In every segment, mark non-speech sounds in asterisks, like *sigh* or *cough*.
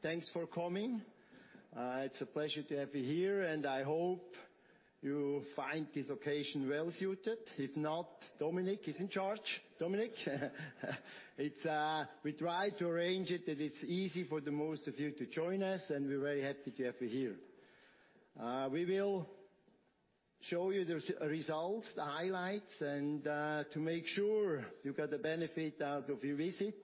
Thanks for coming. It's a pleasure to have you here, and I hope you find this location well suited. If not, Dominik is in charge. We tried to arrange it that it's easy for the most of you to join us, and we're very happy to have you here. We will show you the results, the highlights, and to make sure you get the benefit out of your visit,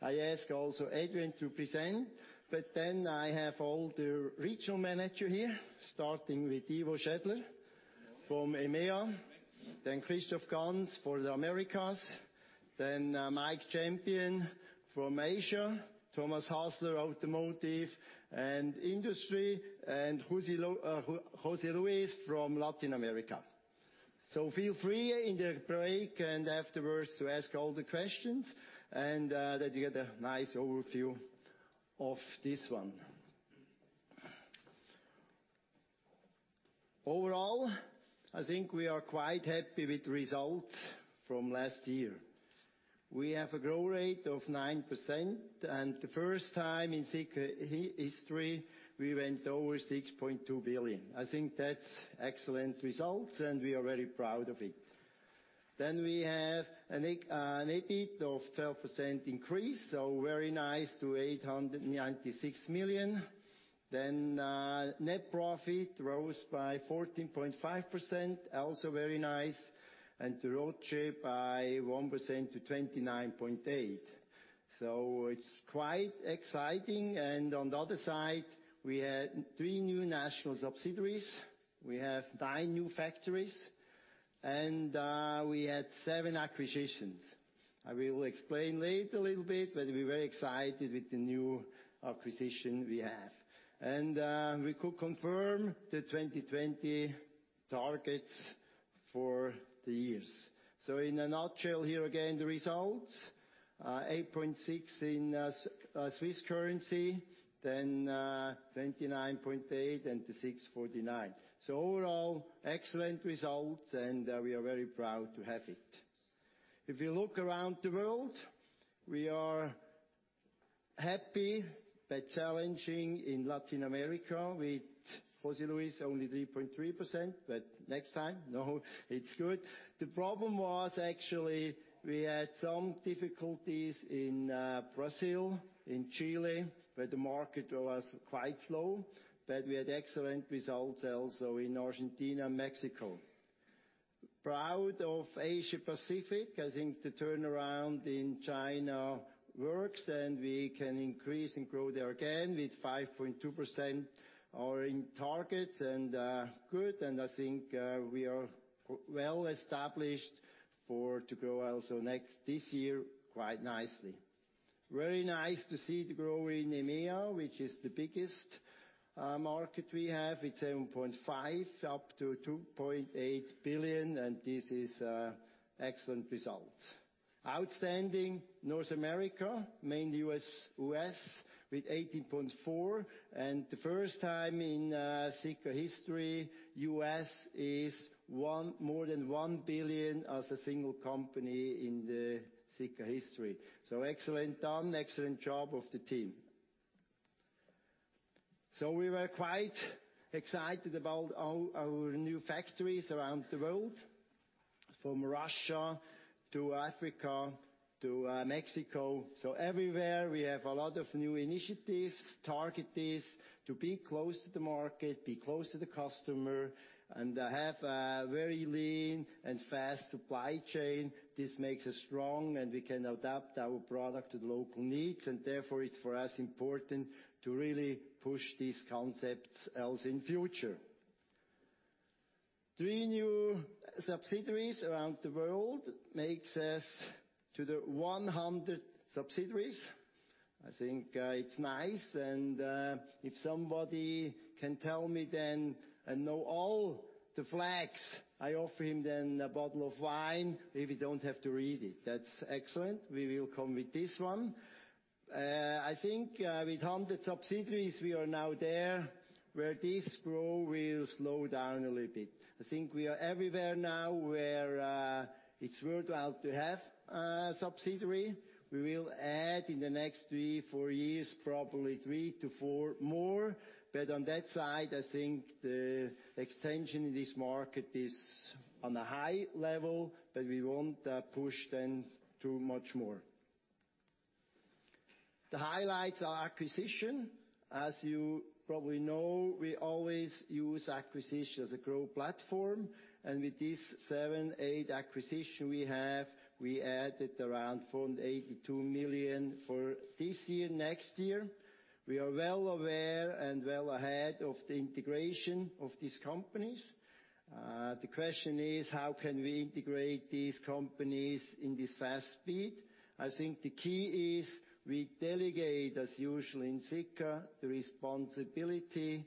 I ask also Edwin to present, but then I have all the regional manager here, starting with Ivo Schädler from EMEA, then Christoph Ganz for the Americas, then Mike Campion from Asia, Thomas Hasler, Automotive and Industry, and José Luis from Latin America. Feel free in the break and afterwards to ask all the questions and that you get a nice overview of this one. Overall, I think we are quite happy with the results from last year. We have a growth rate of 9%, the first time in Sika history, we went over 6.2 billion. I think that's excellent results, and we are very proud of it. We have an EBIT of 12% increase, very nice to 896 million. Net profit rose by 14.5%, also very nice. The ROCE by 1% to 29.8%. It's quite exciting, and on the other side, we had three new national subsidiaries. We have nine new factories, and we had seven acquisitions. I will explain later a little bit, but we're very excited with the new acquisition we have. We could confirm the 2020 targets for the years. In a nutshell here again, the results, 8.6% in Swiss currency, 29.8% and the 649 million. Overall, excellent results, and we are very proud to have it. If you look around the world, we are happy, but challenging in Latin America with José Luis, only 3.3%, but next time, no, it's good. The problem was actually we had some difficulties in Brazil, in Chile, where the market was quite slow, but we had excellent results also in Argentina and Mexico. Proud of Asia Pacific. I think the turnaround in China works, and we can increase and grow there again with 5.2% are in target and good. I think we are well established for to grow also this year quite nicely. Very nice to see the growth in EMEA, which is the biggest market we have. It's 7.5% up to 2.8 billion, and this is excellent results. Outstanding North America, mainly U.S., with 18.4%. The first time in Sika history, U.S. is more than 1 billion as a single company in the Sika history. Excellent done, excellent job of the team. We were quite excited about our new factories around the world, from Russia to Africa to Mexico. Everywhere we have a lot of new initiatives, target is to be close to the market, be close to the customer, and have a very lean and fast supply chain. This makes us strong, and we can adapt our product to the local needs, and therefore it's for us important to really push these concepts else in future. Three new subsidiaries around the world makes us to the 100 subsidiaries. I think it's nice. If somebody can tell me then and know all the flags, I offer him then a bottle of wine, if you don't have to read it. That's excellent. We will come with this one. I think with 100 subsidiaries, we are now there where this growth will slow down a little bit. I think we are everywhere now where it's worthwhile to have a subsidiary. We will add in the next three, four years, probably three to four more. On that side, I think the extension in this market is on a high level, but we won't push then too much more. The highlights are acquisition. As you probably know, we always use acquisition as a growth platform, and with these seven, eight acquisition we have, we added around 482 million for this year, next year. We are well aware and well ahead of the integration of these companies. The question is how can we integrate these companies in this fast speed? I think the key is we delegate, as usual in Sika, the responsibility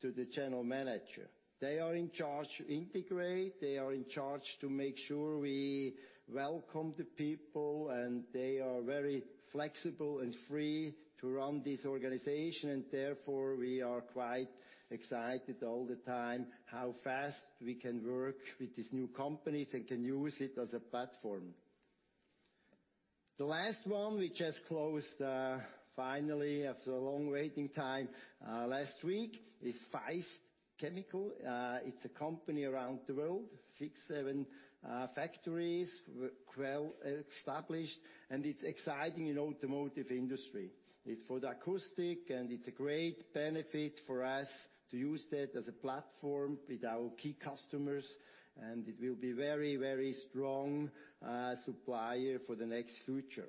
to the general manager. They are in charge to integrate. They are in charge to make sure we welcome the people, they are very flexible and free to run this organization. We are quite excited all the time how fast we can work with these new companies and can use it as a platform. The last one, we just closed, finally, after a long waiting time last week, is Faist ChemTec. It's a company around the world, six, seven factories. Well-established, and it's exciting in automotive industry. It's for the acoustic, and it's a great benefit for us to use that as a platform with our key customers, and it will be very strong supplier for the next future.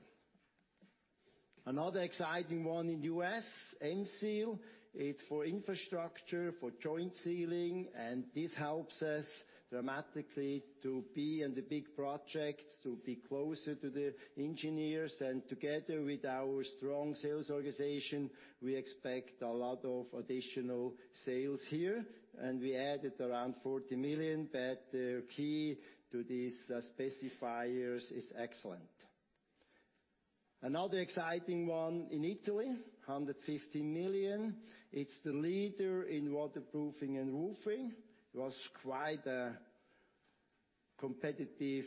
Another exciting one in U.S., Emseal. It's for infrastructure, for joint sealing, and this helps us dramatically to be in the big projects, to be closer to the engineers. Together with our strong sales organization, we expect a lot of additional sales here. We added around $40 million, their key to these specifiers is excellent. Another exciting one in Italy, 150 million. It's the leader in waterproofing and roofing. It was quite a competitive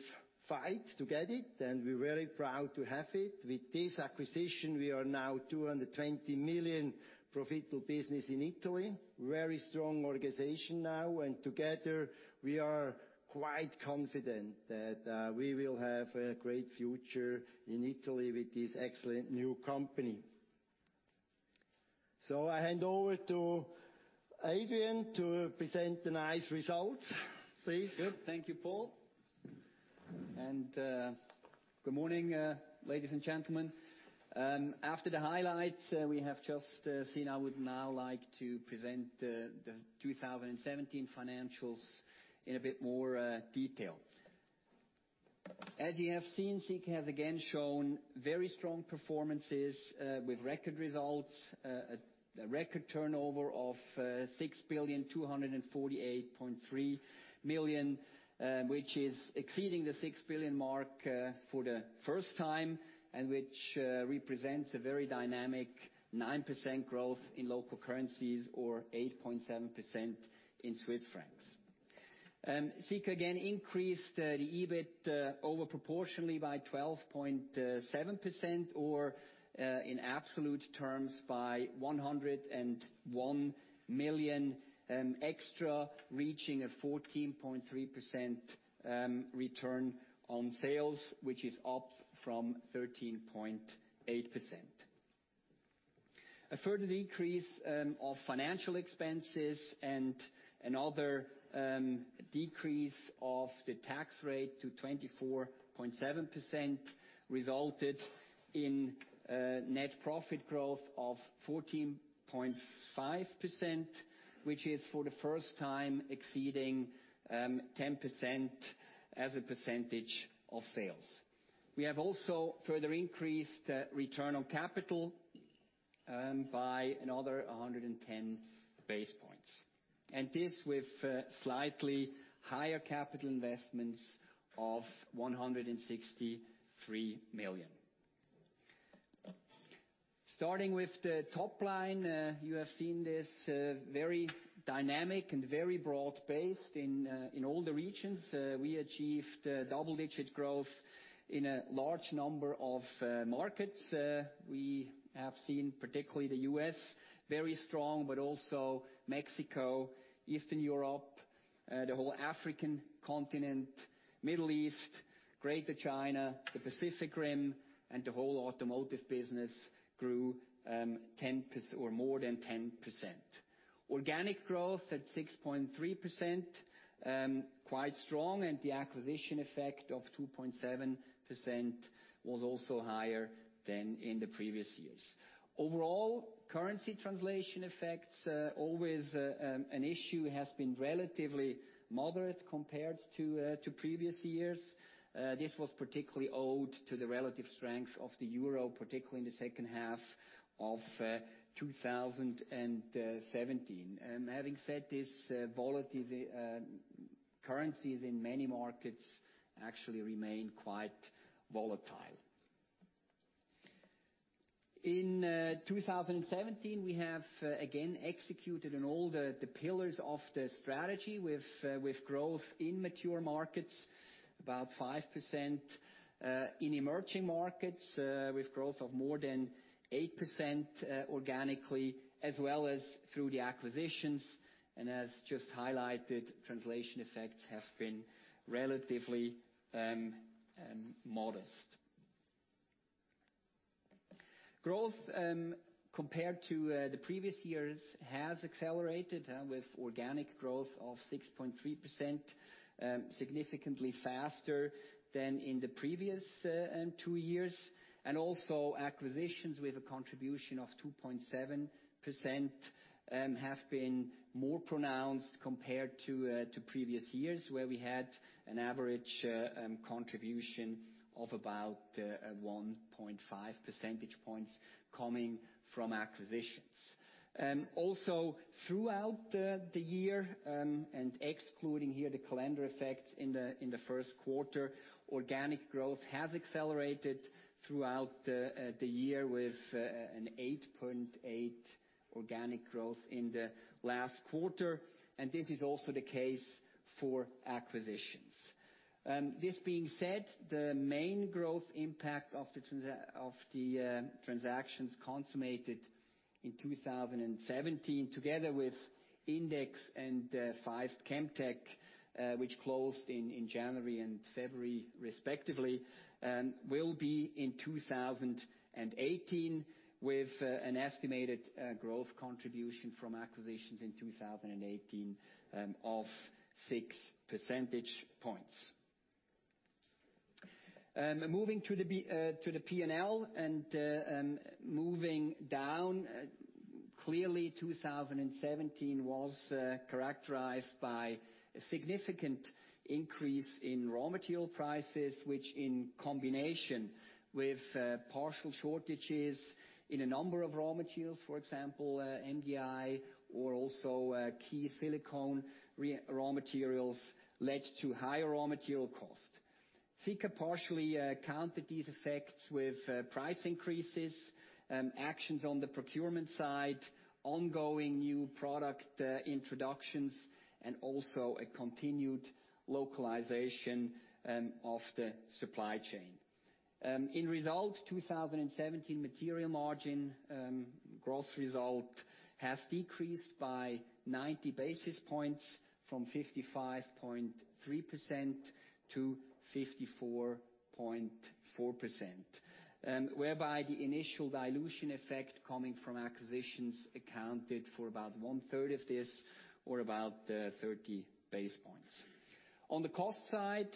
fight to get it, and we're very proud to have it. With this acquisition, we are now 220 million profitable business in Italy. Very strong organization now. Together, we are quite confident that we will have a great future in Italy with this excellent new company. I hand over to Adrian to present the nice results. Please. Good. Thank you, Paul. Good morning, ladies and gentlemen. After the highlights we have just seen, I would now like to present the 2017 financials in a bit more detail. As you have seen, Sika has again shown very strong performances with record results. A record turnover of 6,248.3 million, which is exceeding the 6 billion mark for the first time, and which represents a very dynamic 9% growth in local currencies or 8.7% in Swiss francs. Sika again increased the EBIT over proportionally by 12.7% or, in absolute terms, by 101 million extra, reaching a 14.3% return on sales, which is up from 13.8%. A further decrease of financial expenses and another decrease of the tax rate to 24.7% resulted in net profit growth of 14.5%, which is for the first time exceeding 10% as a percentage of sales. We have also further increased return on capital by another 110 basis points. This with slightly higher capital investments of 163 million. Starting with the top line, you have seen this very dynamic and very broad-based in all the regions. We achieved double-digit growth in a large number of markets. We have seen particularly the U.S. very strong, but also Mexico, Eastern Europe, the whole African continent, Middle East, Greater China, the Pacific Rim, and the whole automotive business grew more than 10%. Organic growth at 6.3%, quite strong, and the acquisition effect of 2.7% was also higher than in the previous years. Overall, currency translation effects, always an issue, has been relatively moderate compared to previous years. This was particularly owed to the relative strength of the euro, particularly in the second half of 2017. Having said this, currencies in many markets actually remain quite volatile. In 2017, we have again executed on all the pillars of the strategy with growth in mature markets, about 5%, in emerging markets with growth of more than 8% organically as well as through the acquisitions. As just highlighted, translation effects have been relatively modest. Growth, compared to the previous years, has accelerated with organic growth of 6.3%, significantly faster than in the previous two years. Also acquisitions with a contribution of 2.7% have been more pronounced compared to previous years, where we had an average contribution of about 1.5 percentage points coming from acquisitions. Also, throughout the year, and excluding here the calendar effects in the first quarter, organic growth has accelerated throughout the year with an 8.8% organic growth in the last quarter, and this is also the case for acquisitions. This being said, the main growth impact of the transactions consummated in 2017, together with Index and Faist ChemTec, which closed in January and February respectively, will be in 2018, with an estimated growth contribution from acquisitions in 2018 of six percentage points. Moving to the P&L and moving down. Clearly, 2017 was characterized by a significant increase in raw material prices, which in combination with partial shortages in a number of raw materials, for example, MDI or also key silicone raw materials, led to higher raw material cost. Sika partially countered these effects with price increases, actions on the procurement side, ongoing new product introductions, and also a continued localization of the supply chain. In result, 2017 material margin gross result has decreased by 90 basis points from 55.3% to 54.4%. Whereby the initial dilution effect coming from acquisitions accounted for about one third of this, or about 30 basis points. On the cost side,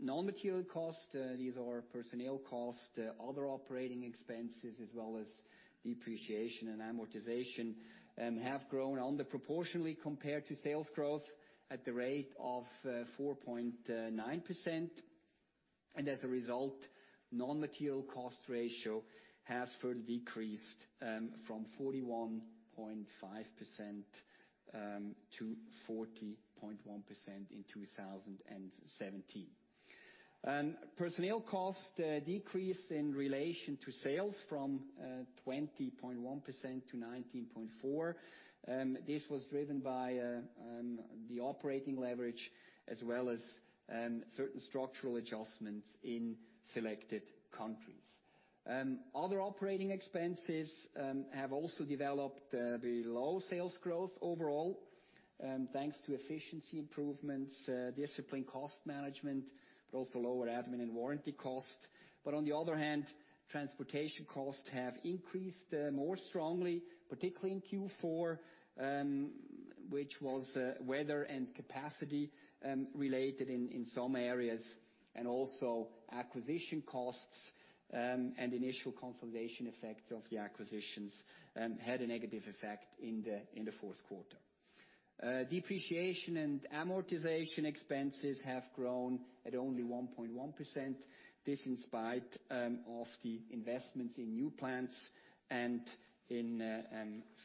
non-material costs, these are personnel costs, other operating expenses, as well as depreciation and amortization, have grown under proportionately compared to sales growth at the rate of 4.9%. As a result, non-material cost ratio has further decreased from 41.5% to 40.1% in 2017. Personnel costs decreased in relation to sales from 20.1% to 19.4%. This was driven by the operating leverage as well as certain structural adjustments in selected countries. Other operating expenses have also developed below sales growth overall, thanks to efficiency improvements, disciplined cost management, but also lower admin and warranty costs. On the other hand, transportation costs have increased more strongly, particularly in Q4, which was weather and capacity related in some areas, and also acquisition costs and initial consolidation effects of the acquisitions had a negative effect in the fourth quarter. Depreciation and amortization expenses have grown at only 1.1%. This in spite of the investments in new plants and in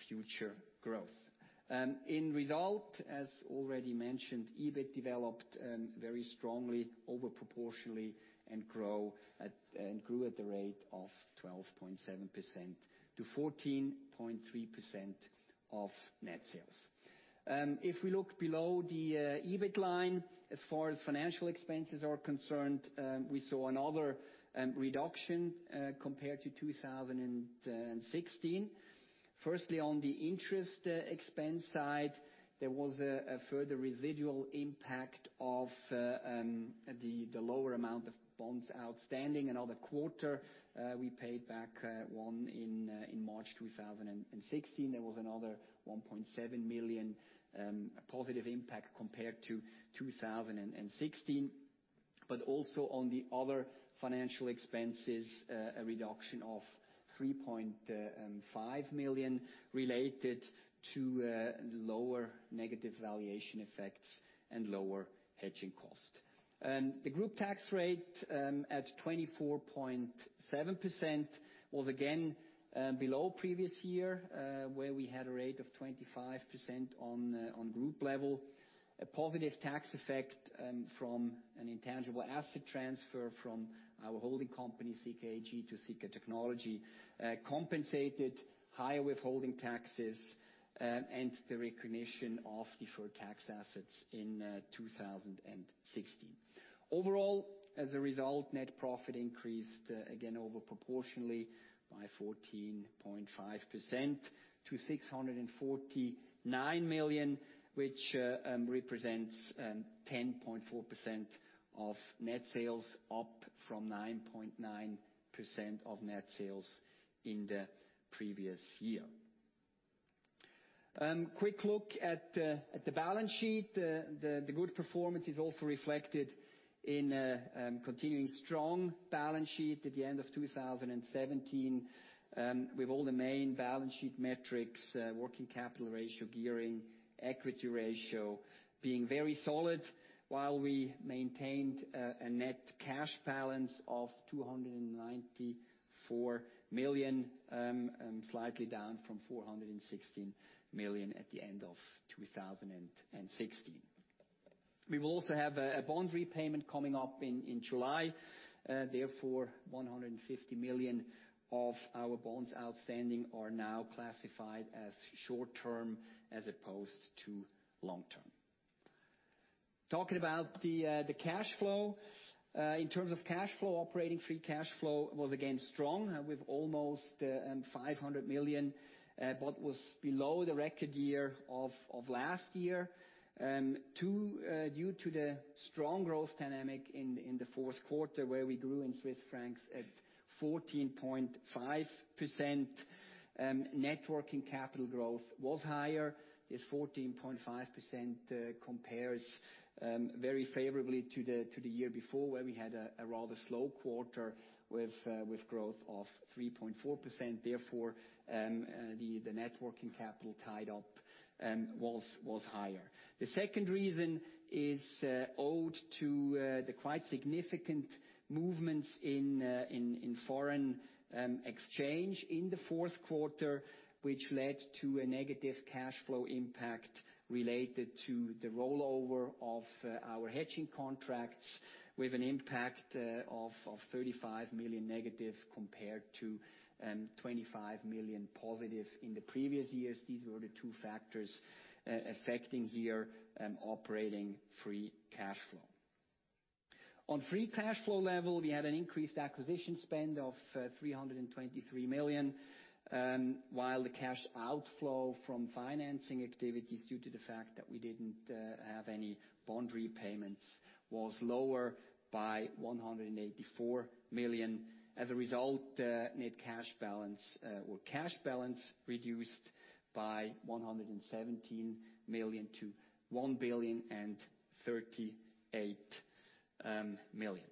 future growth. In result, as already mentioned, EBIT developed very strongly over proportionally and grew at the rate of 12.7%-14.3% of net sales. If we look below the EBIT line, as far as financial expenses are concerned, we saw another reduction compared to 2016. Firstly, on the interest expense side, there was a further residual impact of the lower amount of bonds outstanding another quarter. We paid back one in March 2016. There was another 1.7 million positive impact compared to 2016, also on the other financial expenses, a reduction of 3.5 million related to lower negative valuation effects and lower hedging cost. The group tax rate at 24.7% was again below previous year, where we had a rate of 25% on group level. A positive tax effect from an intangible asset transfer from our holding company, Sika AG, to Sika Technology, compensated higher withholding taxes and the recognition of deferred tax assets in 2016. Overall, as a result, net profit increased again over proportionally by 14.5% to CHF 649 million, which represents 10.4% of net sales, up from 9.9% of net sales in the previous year. Quick look at the balance sheet. The good performance is also reflected in a continuing strong balance sheet at the end of 2017 with all the main balance sheet metrics, working capital ratio gearing, equity ratio being very solid while we maintained a net cash balance of 294 million, slightly down from 416 million at the end of 2016. We will also have a bond repayment coming up in July. Therefore, 150 million of our bonds outstanding are now classified as short-term as opposed to long-term. Talking about the cash flow. In terms of cash flow, operating free cash flow was again strong with almost 500 million, was below the record year of last year due to the strong growth dynamic in the fourth quarter, where we grew in Swiss francs at 14.5%. Net working capital growth was higher. This 14.5% compares very favorably to the year before, where we had a rather slow quarter with growth of 3.4%. Therefore, the net working capital tied up was higher. The second reason is owed to the quite significant movements in foreign exchange in the fourth quarter, which led to a negative cash flow impact related to the rollover of our hedging contracts with an impact of 35 million negative compared to 25 million positive in the previous years. These were the two factors affecting the operating free cash flow. On free cash flow level, we had an increased acquisition spend of 323 million, while the cash outflow from financing activities due to the fact that we didn't have any bond repayments was lower by 184 million. As a result, net cash balance, or cash balance reduced by 117 million to 1,038 million.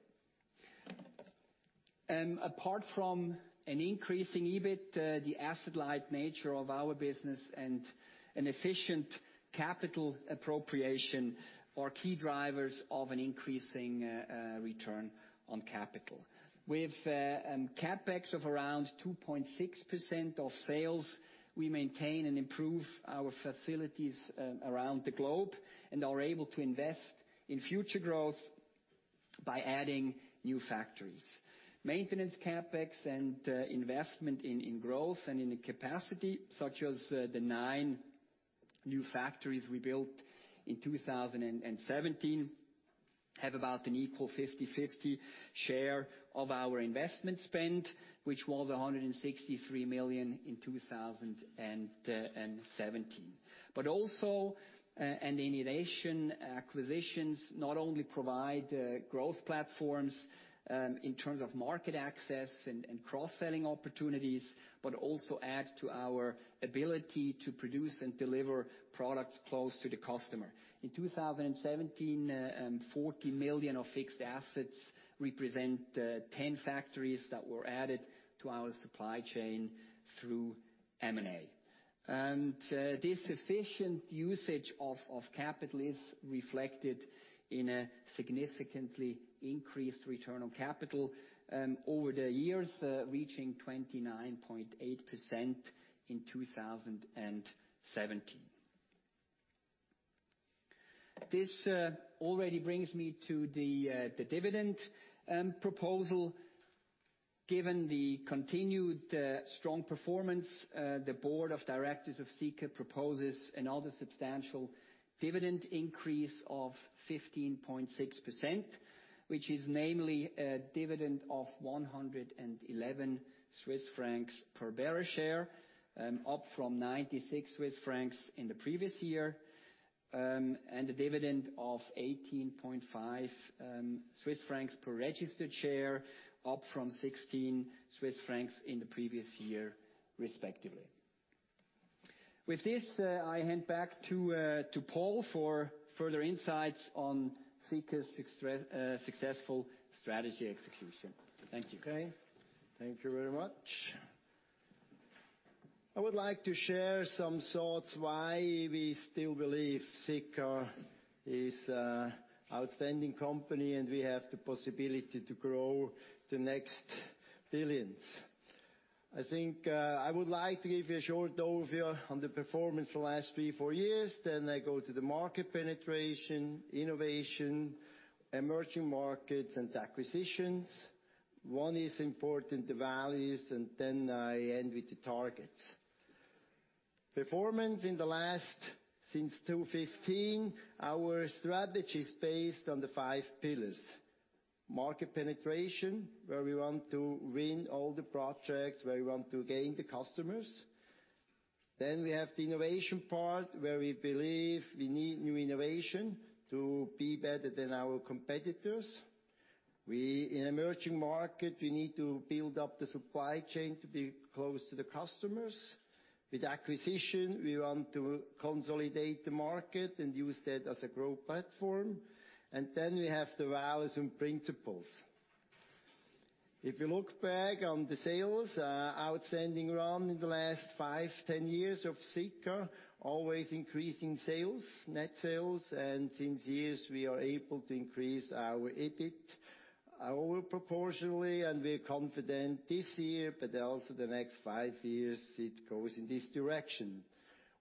Apart from an increasing EBIT, the asset-light nature of our business and an efficient capital appropriation are key drivers of an increasing return on capital. With CapEx of around 2.6% of sales, we maintain and improve our facilities around the globe and are able to invest in future growth by adding new factories. Maintenance CapEx and investment in growth and in the capacity, such as the nine new factories we built in 2017, have about an equal 50/50 share of our investment spend, which was 163 million in 2017. Also, innovation acquisitions not only provide growth platforms in terms of market access and cross-selling opportunities, but also add to our ability to produce and deliver products close to the customer. In 2017, 40 million of fixed assets represent 10 factories that were added to our supply chain through M&A. This efficient usage of capital is reflected in a significantly increased return on capital over the years, reaching 29.8% in 2017. This already brings me to the dividend proposal. Given the continued strong performance, the board of directors of Sika proposes another substantial dividend increase of 15.6%, which is namely a dividend of 111 Swiss francs per bearer share, up from 96 Swiss francs in the previous year, and a dividend of 18.5 Swiss francs per registered share, up from 16 Swiss francs in the previous year, respectively. With this, I hand back to Paul for further insights on Sika's successful strategy execution. Thank you. Okay. Thank you very much. I would like to share some thoughts why we still believe Sika is an outstanding company and we have the possibility to grow the next billions. I think I would like to give you a short overview on the performance for the last three, four years. I go to the market penetration, innovation, emerging markets and acquisitions. One is important, the values, and I end with the targets. Performance since 2015, our strategy is based on the five pillars. Market penetration, where we want to win all the projects, where we want to gain the customers. We have the innovation part, where we believe we need new innovation to be better than our competitors. In emerging market, we need to build up the supply chain to be close to the customers. With acquisition, we want to consolidate the market and use that as a growth platform. We have the values and principles. If you look back on the sales, outstanding run in the last five, 10 years of Sika, always increasing sales, net sales, and since years, we are able to increase our EBIT over proportionally, and we're confident this year, but also the next five years, it goes in this direction.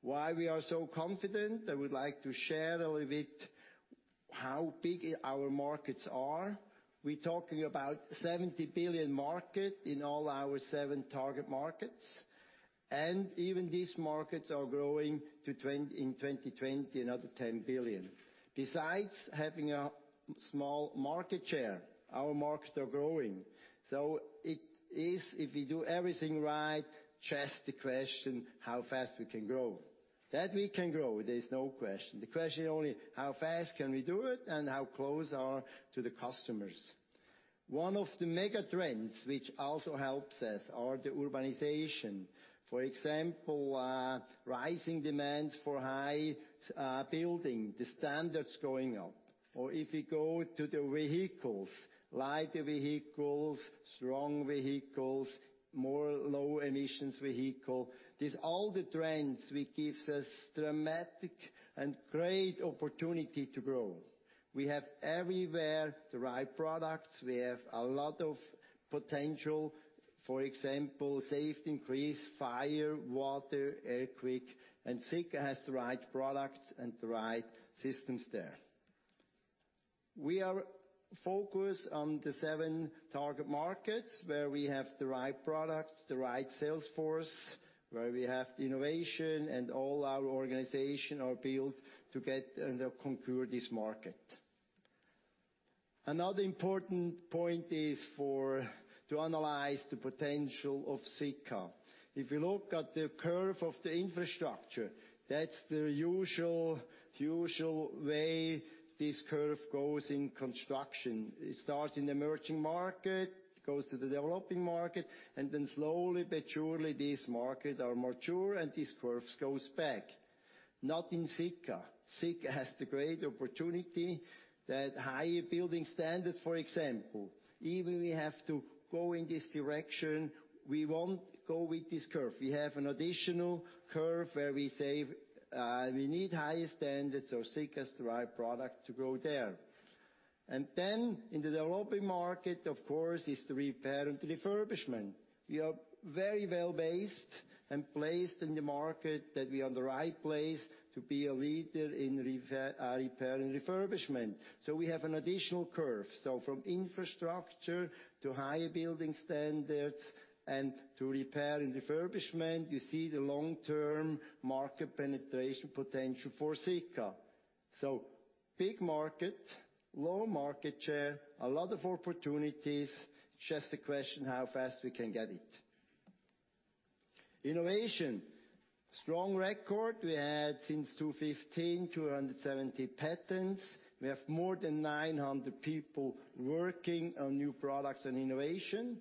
Why we are so confident? I would like to share a little bit how big our markets are. We're talking about 70 billion market in all our seven target markets. Even these markets are growing in 2020 another 10 billion. Besides having a small market share, our markets are growing. It is, if we do everything right, just a question how fast we can grow. That we can grow, there is no question. The question only how fast can we do it and how close are to the customers. One of the mega trends, which also helps us, are the urbanization. For example, rising demands for high building, the standards going up. If we go to the vehicles, lighter vehicles, strong vehicles, more low-emissions vehicle. These all the trends which gives us dramatic and great opportunity to grow. We have everywhere the right products. We have a lot of potential. For example, safety increase, fire, water, earthquake, and Sika has the right products and the right systems there. We are focused on the seven target markets where we have the right products, the right sales force, where we have the innovation, and all our organization are built to get and conquer this market. Another important point is to analyze the potential of Sika. If you look at the curve of the infrastructure, that's the usual way this curve goes in construction. It starts in emerging market, goes to the developing market, then slowly but surely these market are mature and these curves goes back. Not in Sika. Sika has the great opportunity that high building standard, for example, even we have to go in this direction, we won't go with this curve. We have an additional curve where we say, we need higher standards so Sika has the right product to go there. Then in the developing market, of course, is the repair and refurbishment. We are very well-based and placed in the market that we are in the right place to be a leader in repair and refurbishment. We have an additional curve. From infrastructure to higher building standards and to repair and refurbishment, you see the long-term market penetration potential for Sika. Big market, low market share, a lot of opportunities, just a question how fast we can get it. Innovation. Strong record. We had since 2015, 270 patents. We have more than 900 people working on new products and innovation.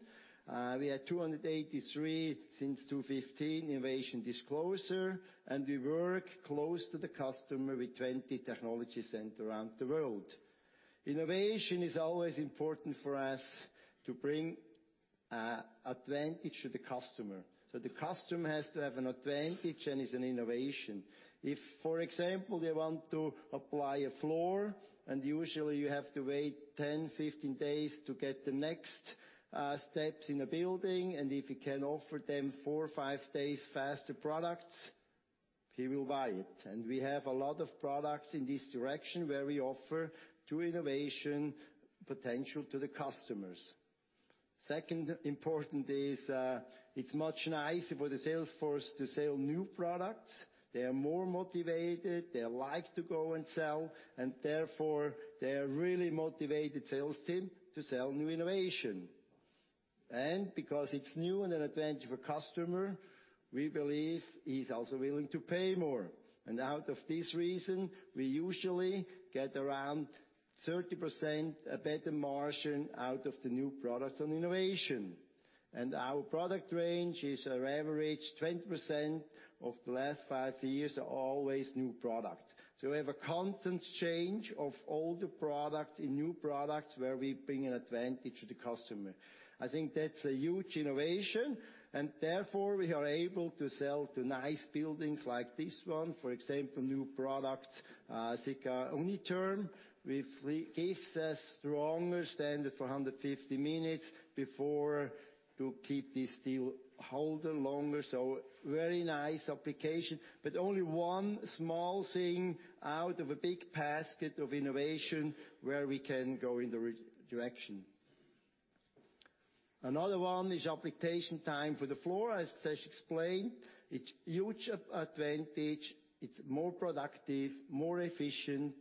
We had 283 since 2015 innovation disclosure, we work close to the customer with 20 technology centers around the world. Innovation is always important for us to bring advantage to the customer. The customer has to have an advantage and is an innovation. If, for example, they want to apply a floor, usually you have to wait 10, 15 days to get the next steps in a building, if you can offer them 4, 5 days faster products, he will buy it. We have a lot of products in this direction where we offer to innovation potential to the customers. Second important is, it's much nicer for the sales force to sell new products. They are more motivated, they like to go and sell, therefore, they are really motivated sales team to sell new innovation. Because it's new and an advantage for customer, we believe he's also willing to pay more. Out of this reason, we usually get around 30% better margin out of the new product on innovation. Our product range is an average 20% of the last five years are always new product. We have a constant change of older product in new products where we bring an advantage to the customer. I think that's a huge innovation. We are able to sell to nice buildings like this one. For example, new products Sika Unitherm, which gives us stronger standard for 150 minutes before to keep this steel holder longer. Very nice application, but only one small thing out of a big basket of innovation where we can go in the right direction. Another one is application time for the floor. As I explained, it's huge advantage. It's more productive, more efficient.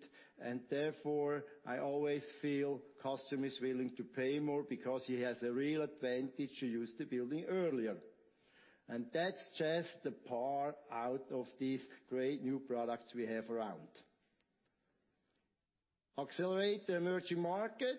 I always feel customer is willing to pay more because he has a real advantage to use the building earlier. That's just the part out of these great new products we have around. Accelerate the emerging market.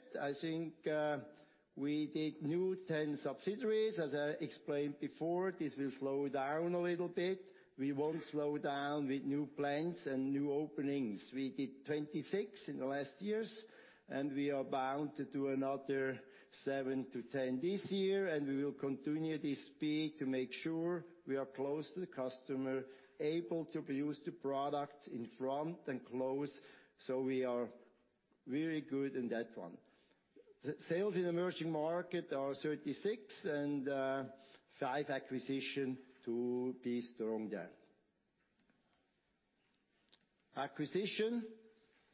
We did new 10 subsidiaries. As I explained before, this will slow down a little bit. We won't slow down with new plans and new openings. We did 26 in the last years. We are bound to do another 7 to 10 this year. We will continue this speed to make sure we are close to the customer, able to produce the product in front and close. We are very good in that one. Sales in emerging market are 36 and 5 acquisition to be strong there. Acquisition.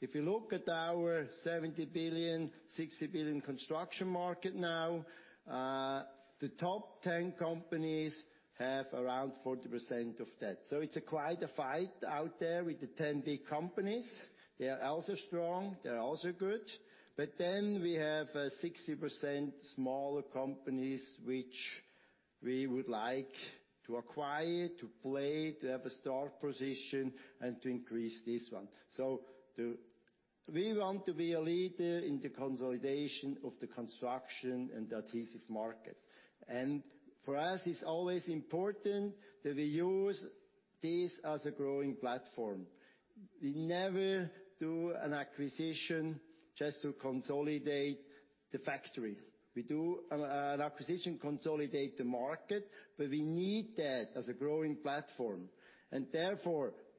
If you look at our 70 billion, 60 billion construction market now, the top 10 companies have around 40% of that. It's quite a fight out there with the 10 big companies. They are also strong, they are also good. We have 60% smaller companies which we would like to acquire, to play, to have a strong position and to increase this one. We want to be a leader in the consolidation of the construction and adhesive market. For us, it's always important that we use this as a growing platform. We never do an acquisition just to consolidate the factory. We do an acquisition, consolidate the market, but we need that as a growing platform.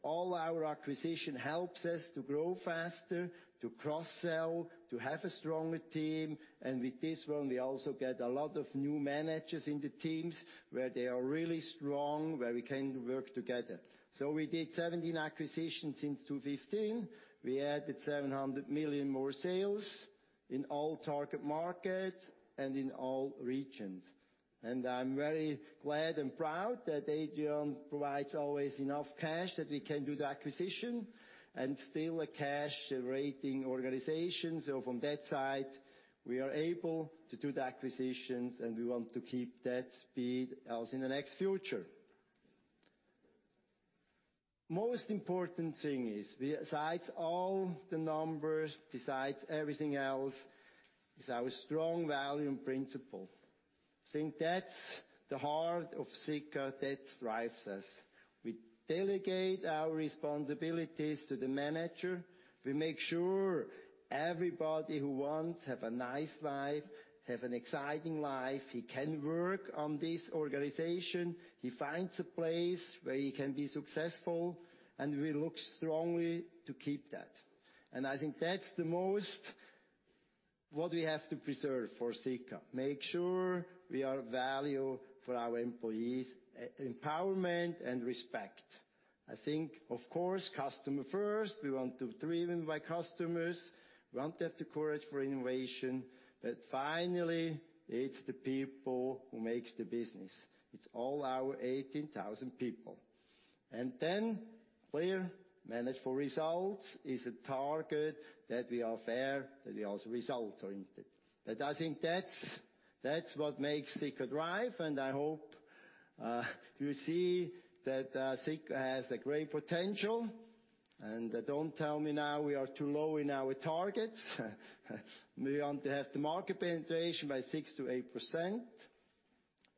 All our acquisition helps us to grow faster, to cross-sell, to have a stronger team. With this one, we also get a lot of new managers in the teams, where they are really strong, where we can work together. We did 17 acquisitions since 2015. We added 700 million more sales in all target markets and in all regions. I'm very glad and proud that Adrian provides always enough cash that we can do the acquisition, and still a cash rating organization. From that side, we are able to do the acquisitions. We want to keep that speed also in the next future. Most important thing is, besides all the numbers, besides everything else, is our strong value and principle. That's the heart of Sika that drives us. We delegate our responsibilities to the manager. We make sure everybody who wants, have a nice life, have an exciting life. He can work on this organization. He finds a place where he can be successful. We look strongly to keep that. That's the most what we have to preserve for Sika, make sure we are of value for our employees, empowerment and respect. Of course, customer first. We want to be driven by customers. We want to have the courage for innovation. Finally, it's the people who makes the business. It's all our 18,000 people. Clear manage for results is a target that we are fair, that we also result-oriented. I think that's what makes Sika drive, and I hope you see that Sika has a great potential. Don't tell me now we are too low in our targets. We want to have the market penetration by 6%-8%.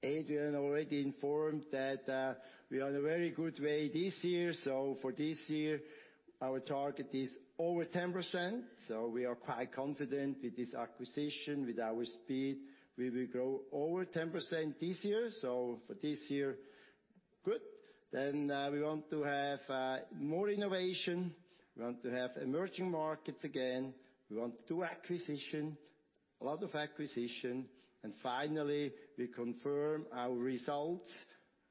Adrian already informed that we are in a very good way this year. For this year, our target is over 10%. We are quite confident with this acquisition, with our speed. We will grow over 10% this year. For this year, good. We want to have more innovation. We want to have emerging markets again. We want to do acquisition, a lot of acquisition. Finally, we confirm our results,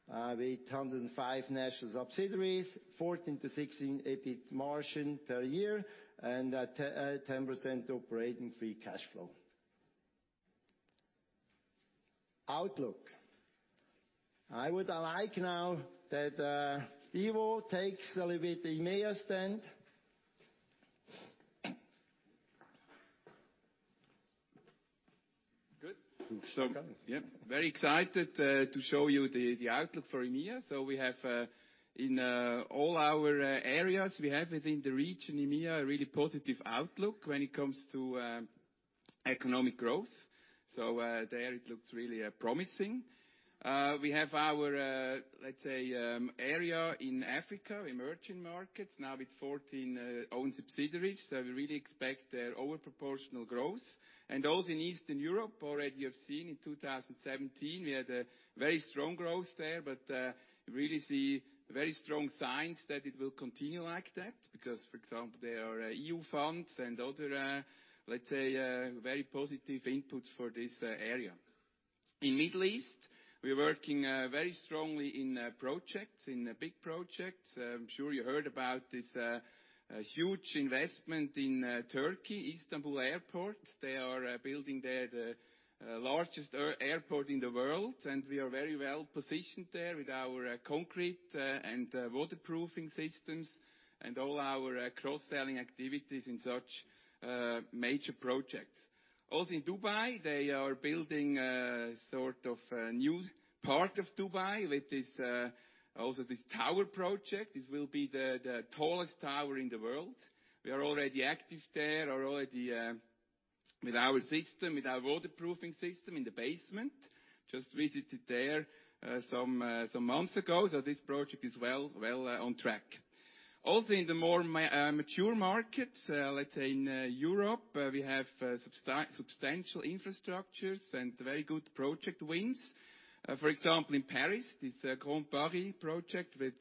with 805 national subsidiaries, 14%-16% EBIT margin per year, and 10% operating free cash flow. Outlook. I would like now that Ivo takes a little bit the EMEA stand. Good. Okay. Yep. Very excited to show you the outlook for EMEA. We have in all our areas, we have within the region EMEA, a really positive outlook when it comes to economic growth. There, it looks really promising. We have our, let's say, area in Africa, emerging markets, now with 14 own subsidiaries. We really expect their overproportional growth. Also in Eastern Europe, already you have seen in 2017, we had a very strong growth there, but really see very strong signs that it will continue like that. Because, for example, there are EU funds and other, let's say, very positive inputs for this area. In Middle East, we are working very strongly in projects, in big projects. I'm sure you heard about this huge investment in Turkey, Istanbul Airport. They are building there the largest airport in the world, we are very well-positioned there with our concrete and waterproofing systems and all our cross-selling activities in such major projects. In Dubai, they are building a sort of a new part of Dubai with also this tower project. This will be the tallest tower in the world. We are already active there, are already with our system, with our waterproofing system in the basement. Just visited there some months ago. This project is well on track. In the more mature markets, let's say in Europe, we have substantial infrastructures and very good project wins. For example, in Paris, this Grand Paris project with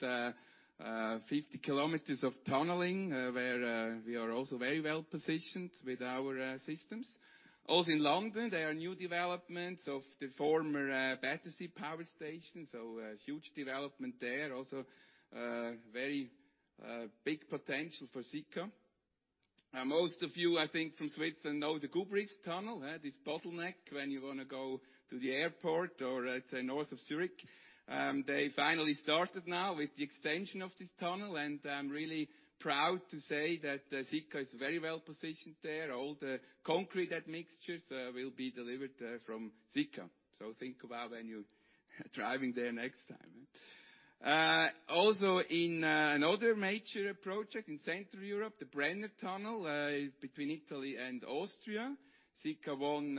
50 kilometers of tunneling where we are also very well-positioned with our systems. In London, there are new developments of the former Battersea Power Station, a huge development there. Very big potential for Sika. Most of you, I think, from Switzerland know the Gubrist Tunnel, this bottleneck when you want to go to the airport or let's say north of Zurich. They finally started now with the extension of this tunnel. I'm really proud to say that Sika is very well-positioned there. All the concrete admixtures will be delivered from Sika. Think about when you're driving there next time. In another major project in Central Europe, the Brenner Tunnel, between Italy and Austria. Sika won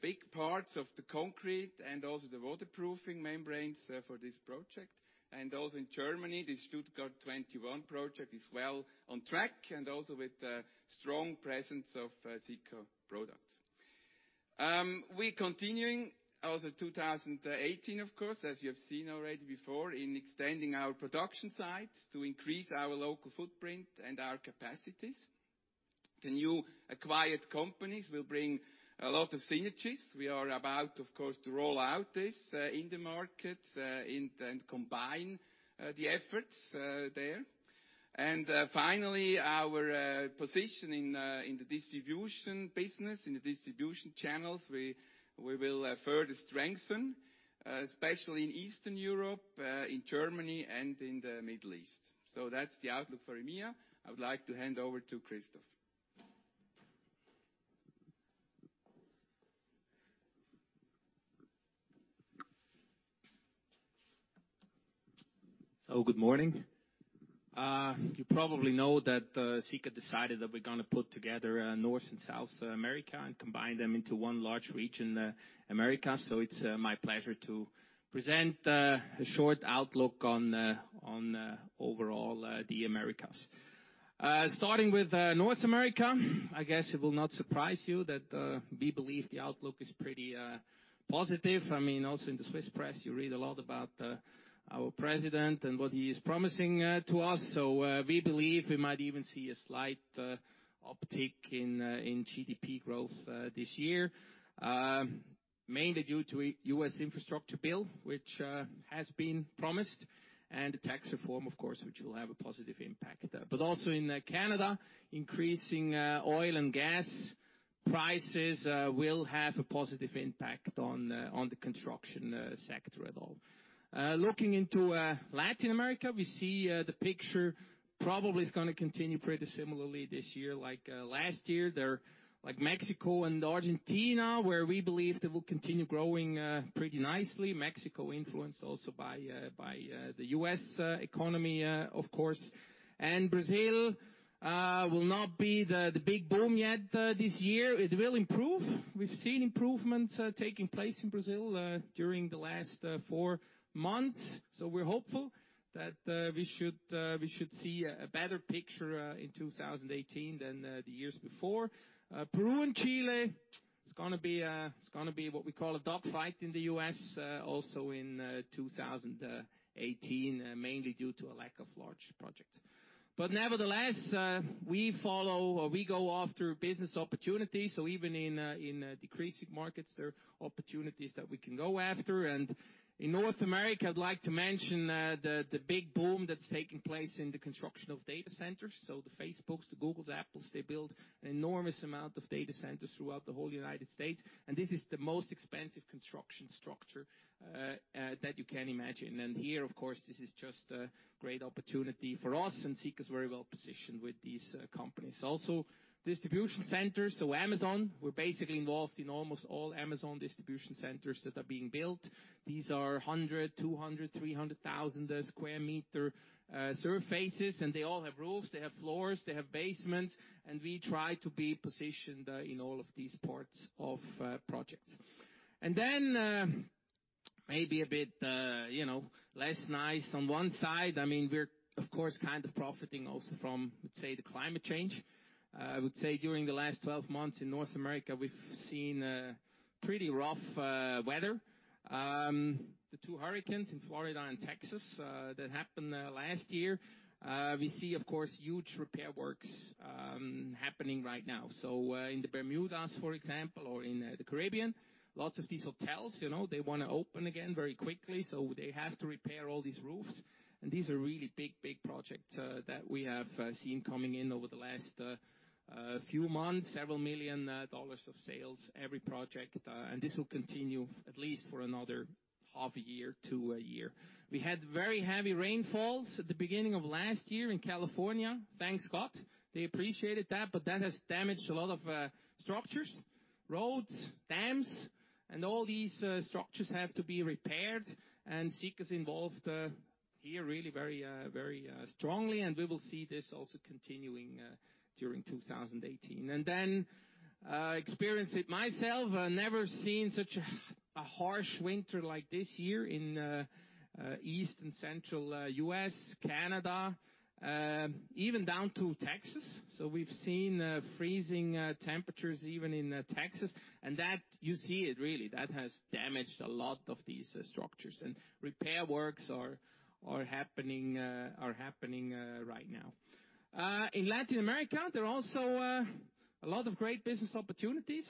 big parts of the concrete and also the waterproofing membranes for this project. In Germany, the Stuttgart 21 project is well on track and also with a strong presence of Sika products. We continuing also 2018, of course, as you have seen already before, in extending our production sites to increase our local footprint and our capacities. The new acquired companies will bring a lot of synergies. We are about, of course, to roll out this in the market, combine the efforts there. Finally, our position in the distribution business, in the distribution channels, we will further strengthen, especially in Eastern Europe, in Germany, and in the Middle East. That's the outlook for EMEA. I would like to hand over to Christoph. Good morning. You probably know that Sika decided that we're going to put together North and South America and combine them into one large region, America. It's my pleasure to present a short outlook on overall the Americas. Starting with North America, I guess it will not surprise you that we believe the outlook is pretty positive. In the Swiss press, you read a lot about our president and what he is promising to us. We believe we might even see a slight uptick in GDP growth this year, mainly due to a U.S. infrastructure bill, which has been promised, and a tax reform, of course, which will have a positive impact. In Canada, increasing oil and gas prices will have a positive impact on the construction sector at all. Looking into Latin America, we see the picture probably is going to continue pretty similarly this year like last year. Mexico and Argentina, where we believe they will continue growing pretty nicely. Mexico influenced also by the U.S. economy, of course. Brazil will not be the big boom yet this year. It will improve. We've seen improvements taking place in Brazil during the last 4 months. We're hopeful that we should see a better picture in 2018 than the years before. Peru and Chile, it's going to be what we call a dogfight in the U.S. also in 2018, mainly due to a lack of large projects. Nevertheless, we go after business opportunities. Even in decreasing markets, there are opportunities that we can go after. In North America, I'd like to mention the big boom that's taking place in the construction of data centers. The Facebooks, the Googles, the Apples, they build an enormous amount of data centers throughout the whole U.S., and this is the most expensive construction structure that you can imagine. Here, of course, this is just a great opportunity for us, and Sika is very well-positioned with these companies. Also, distribution centers. Amazon, we're basically involved in almost all Amazon distribution centers that are being built. These are 100,000, 200,000, 300,000 sq m surfaces, and they all have roofs, they have floors, they have basements, and we try to be positioned in all of these parts of projects. Then maybe a bit less nice on one side. We're, of course, kind of profiting also from, let's say, the climate change. I would say during the last 12 months in North America, we've seen pretty rough weather. The two hurricanes in Florida and Texas that happened last year. We see, of course, huge repair works happening right now. In the Bermudas, for example, or in the Caribbean, lots of these hotels, they want to open again very quickly, so they have to repair all these roofs. These are really big projects that we have seen coming in over the last few months, several million CHF of sales every project. This will continue at least for another half a year to a year. We had very heavy rainfalls at the beginning of last year in California. Thanks, God. They appreciated that has damaged a lot of structures, roads, dams, all these structures have to be repaired, Sika is involved here really very strongly, we will see this also continuing during 2018. Then, I experienced it myself. I never seen such a harsh winter like this year in East and Central U.S., Canada, even down to Texas. We've seen freezing temperatures even in Texas. That, you see it really, that has damaged a lot of these structures and repair works are happening right now. In Latin America, there are also a lot of great business opportunities.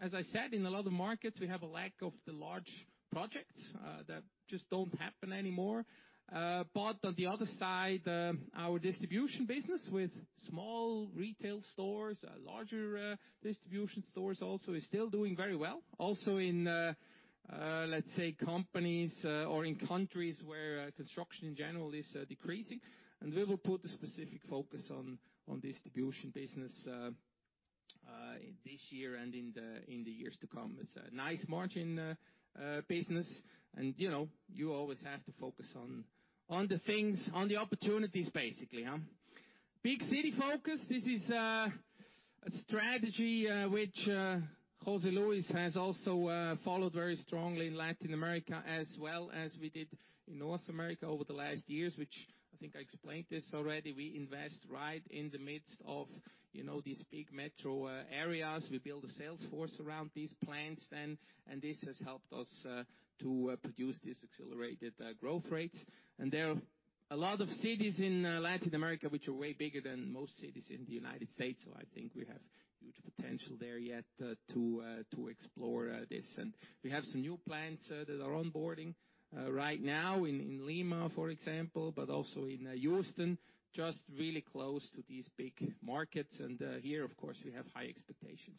As I said, in a lot of markets, we have a lack of the large projects that just don't happen anymore. On the other side, our distribution business with small retail stores, larger distribution stores also, is still doing very well. Also in, let's say, companies or in countries where construction in general is decreasing. We will put a specific focus on distribution business this year and in the years to come. It's a nice margin business you always have to focus on the opportunities basically. Big city focus. This is a strategy which José Luis has also followed very strongly in Latin America as well as we did in North America over the last years, which I think I explained this already. We invest right in the midst of these big metro areas. We build a sales force around these plants then, this has helped us to produce these accelerated growth rates. There are a lot of cities in Latin America which are way bigger than most cities in the U.S., so I think we have huge potential there yet to explore this. We have some new plants that are onboarding right now in Lima, for example, but also in Houston, just really close to these big markets. Here, of course, we have high expectations.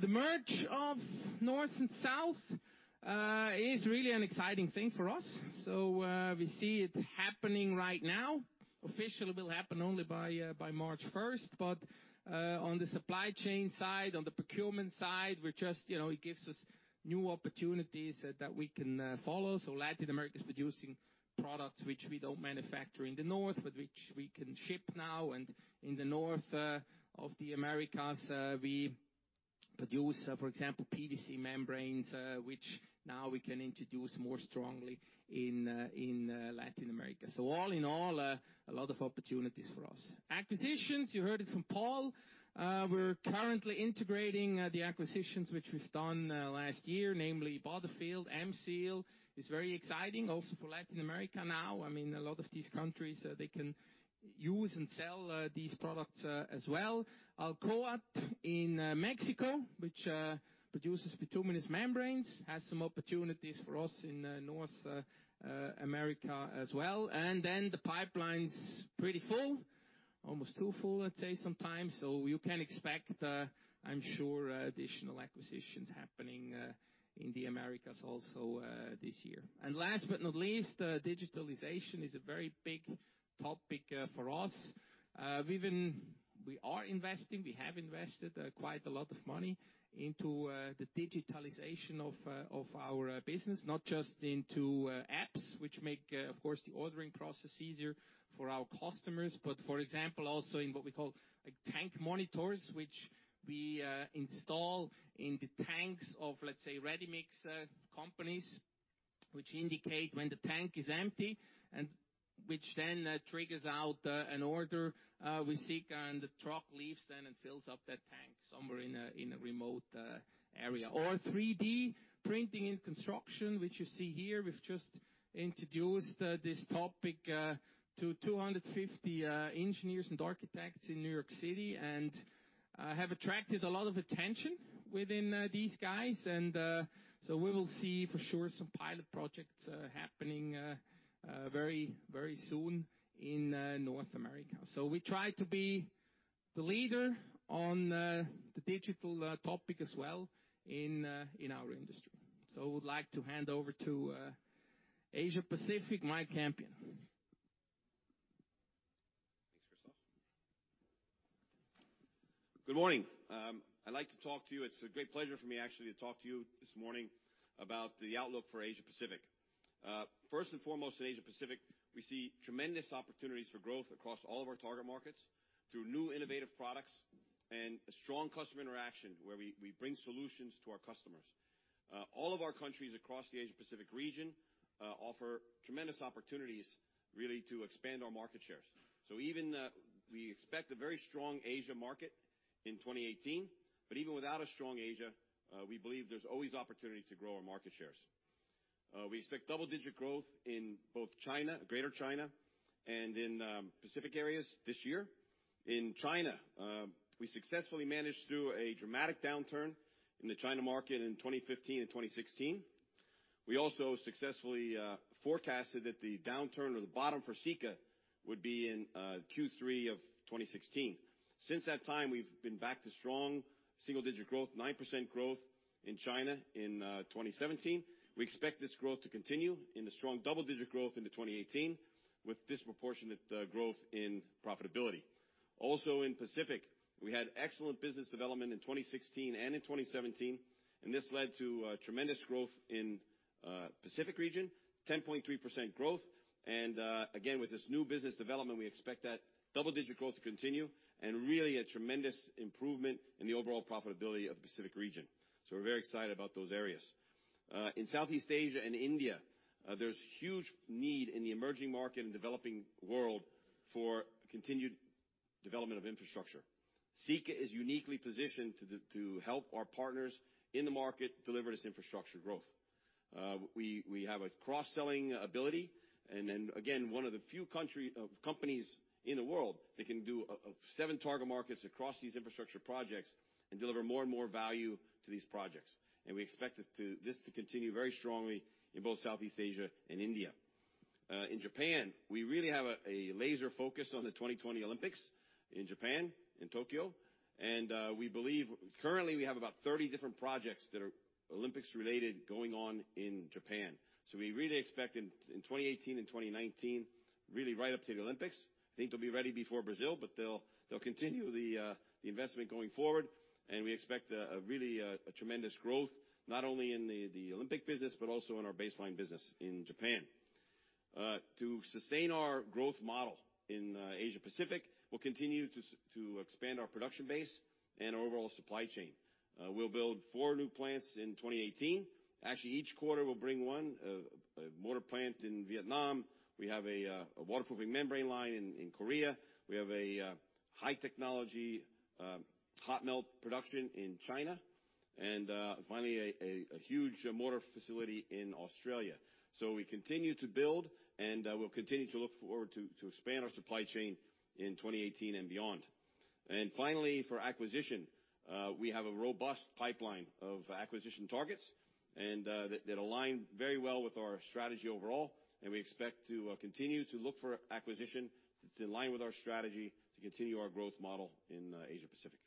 The merge of North and South is really an exciting thing for us. We see it happening right now. Officially, it will happen only by March 1st. On the supply chain side, on the procurement side, it gives us new opportunities that we can follow. Latin America is producing products which we don't manufacture in the North, but which we can ship now. In the north of the Americas, we produce, for example, PVC membranes, which now we can introduce more strongly in Latin America. All in all, a lot of opportunities for us. Acquisitions, you heard it from Paul. We're currently integrating the acquisitions which we've done last year, namely, Butterfield, Emseal is very exciting also for Latin America now. I mean, a lot of these countries, they can use and sell these products as well. Alce in Mexico, which produces bituminous membranes, has some opportunities for us in North America as well. The pipeline's pretty full, almost too full, I'd say sometimes. You can expect, I'm sure, additional acquisitions happening in the Americas also, this year. Last but not least, digitalization is a very big topic for us. We are investing, we have invested quite a lot of money into the digitalization of our business. Not just into apps, which make, of course, the ordering process easier for our customers, but for example, also in what we call tank monitors, which we install in the tanks of, let's say, ready-mix companies, which indicate when the tank is empty and which then triggers out an order with Sika and the truck leaves then and fills up that tank somewhere in a remote area. Or 3D printing in construction, which you see here. We've just introduced this topic to 250 engineers and architects in New York City, and have attracted a lot of attention within these guys. We will see for sure some pilot projects happening very soon in North America. We try to be the leader on the digital topic as well in our industry. I would like to hand over to Asia Pacific, Mike Campion. Thanks, Christoph. Good morning. I'd like to talk to you. It's a great pleasure for me, actually, to talk to you this morning about the outlook for Asia Pacific. First and foremost, in Asia Pacific, we see tremendous opportunities for growth across all of our target markets through new innovative products and a strong customer interaction where we bring solutions to our customers. All of our countries across the Asia Pacific region offer tremendous opportunities, really, to expand our market shares. We expect a very strong Asia market in 2018. Even without a strong Asia, we believe there's always opportunity to grow our market shares. We expect double-digit growth in both Greater China and in Pacific areas this year. In China, we successfully managed through a dramatic downturn in the China market in 2015 and 2016. We also successfully forecasted that the downturn or the bottom for Sika would be in Q3 2016. Since that time, we've been back to strong single-digit growth, 9% growth in China in 2017. We expect this growth to continue into strong double-digit growth into 2018, with disproportionate growth in profitability. Also in Pacific, we had excellent business development in 2016 and 2017, and this led to tremendous growth in Pacific region, 10.3% growth. Again, with this new business development, we expect that double-digit growth to continue and really a tremendous improvement in the overall profitability of the Pacific region. We're very excited about those areas. In Southeast Asia and India, there's huge need in the emerging market and developing world for continued development of infrastructure. Sika is uniquely positioned to help our partners in the market deliver this infrastructure growth. We have a cross-selling ability, and again, one of the few companies in the world that can do seven target markets across these infrastructure projects and deliver more and more value to these projects. We expect this to continue very strongly in both Southeast Asia and India. In Japan, we really have a laser focus on the 2020 Olympics in Japan, in Tokyo, and currently we have about 30 different projects that are Olympics related going on in Japan. We really expect in 2018 and 2019, really right up to the Olympics, I think they'll be ready before Brazil, but they'll continue the investment going forward, and we expect a really tremendous growth, not only in the Olympic business, but also in our baseline business in Japan. To sustain our growth model in Asia Pacific, we'll continue to expand our production base and overall supply chain. We'll build four new plants in 2018. Actually, each quarter we'll bring one. A mortar plant in Vietnam. We have a waterproofing membrane line in Korea. We have a high technology, hot melt production in China, and finally, a huge mortar facility in Australia. We continue to build, and we'll continue to look forward to expand our supply chain in 2018 and beyond. Finally, for acquisition, we have a robust pipeline of acquisition targets, that align very well with our strategy overall, and we expect to continue to look for acquisition that's in line with our strategy to continue our growth model in Asia Pacific.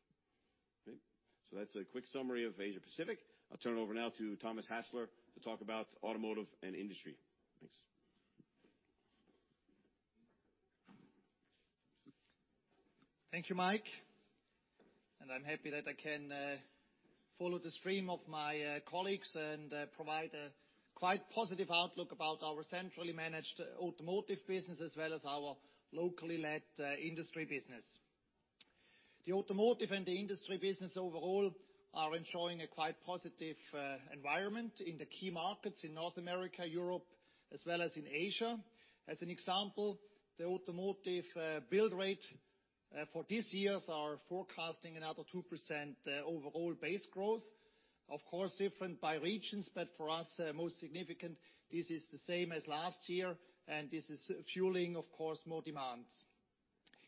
Okay. That's a quick summary of Asia Pacific. I'll turn it over now to Thomas Hasler to talk about automotive and industry. Thanks. Thank you, Mike, and I'm happy that I can follow the stream of my colleagues and provide a quite positive outlook about our centrally managed automotive business, as well as our locally led industry business. The automotive and the industry business overall are enjoying a quite positive environment in the key markets in North America, Europe, as well as in Asia. As an example, the automotive build rate for this year are forecasting another 2% overall base growth. Of course, different by regions, but for us, most significant, this is the same as last year, and this is fueling, of course, more demands.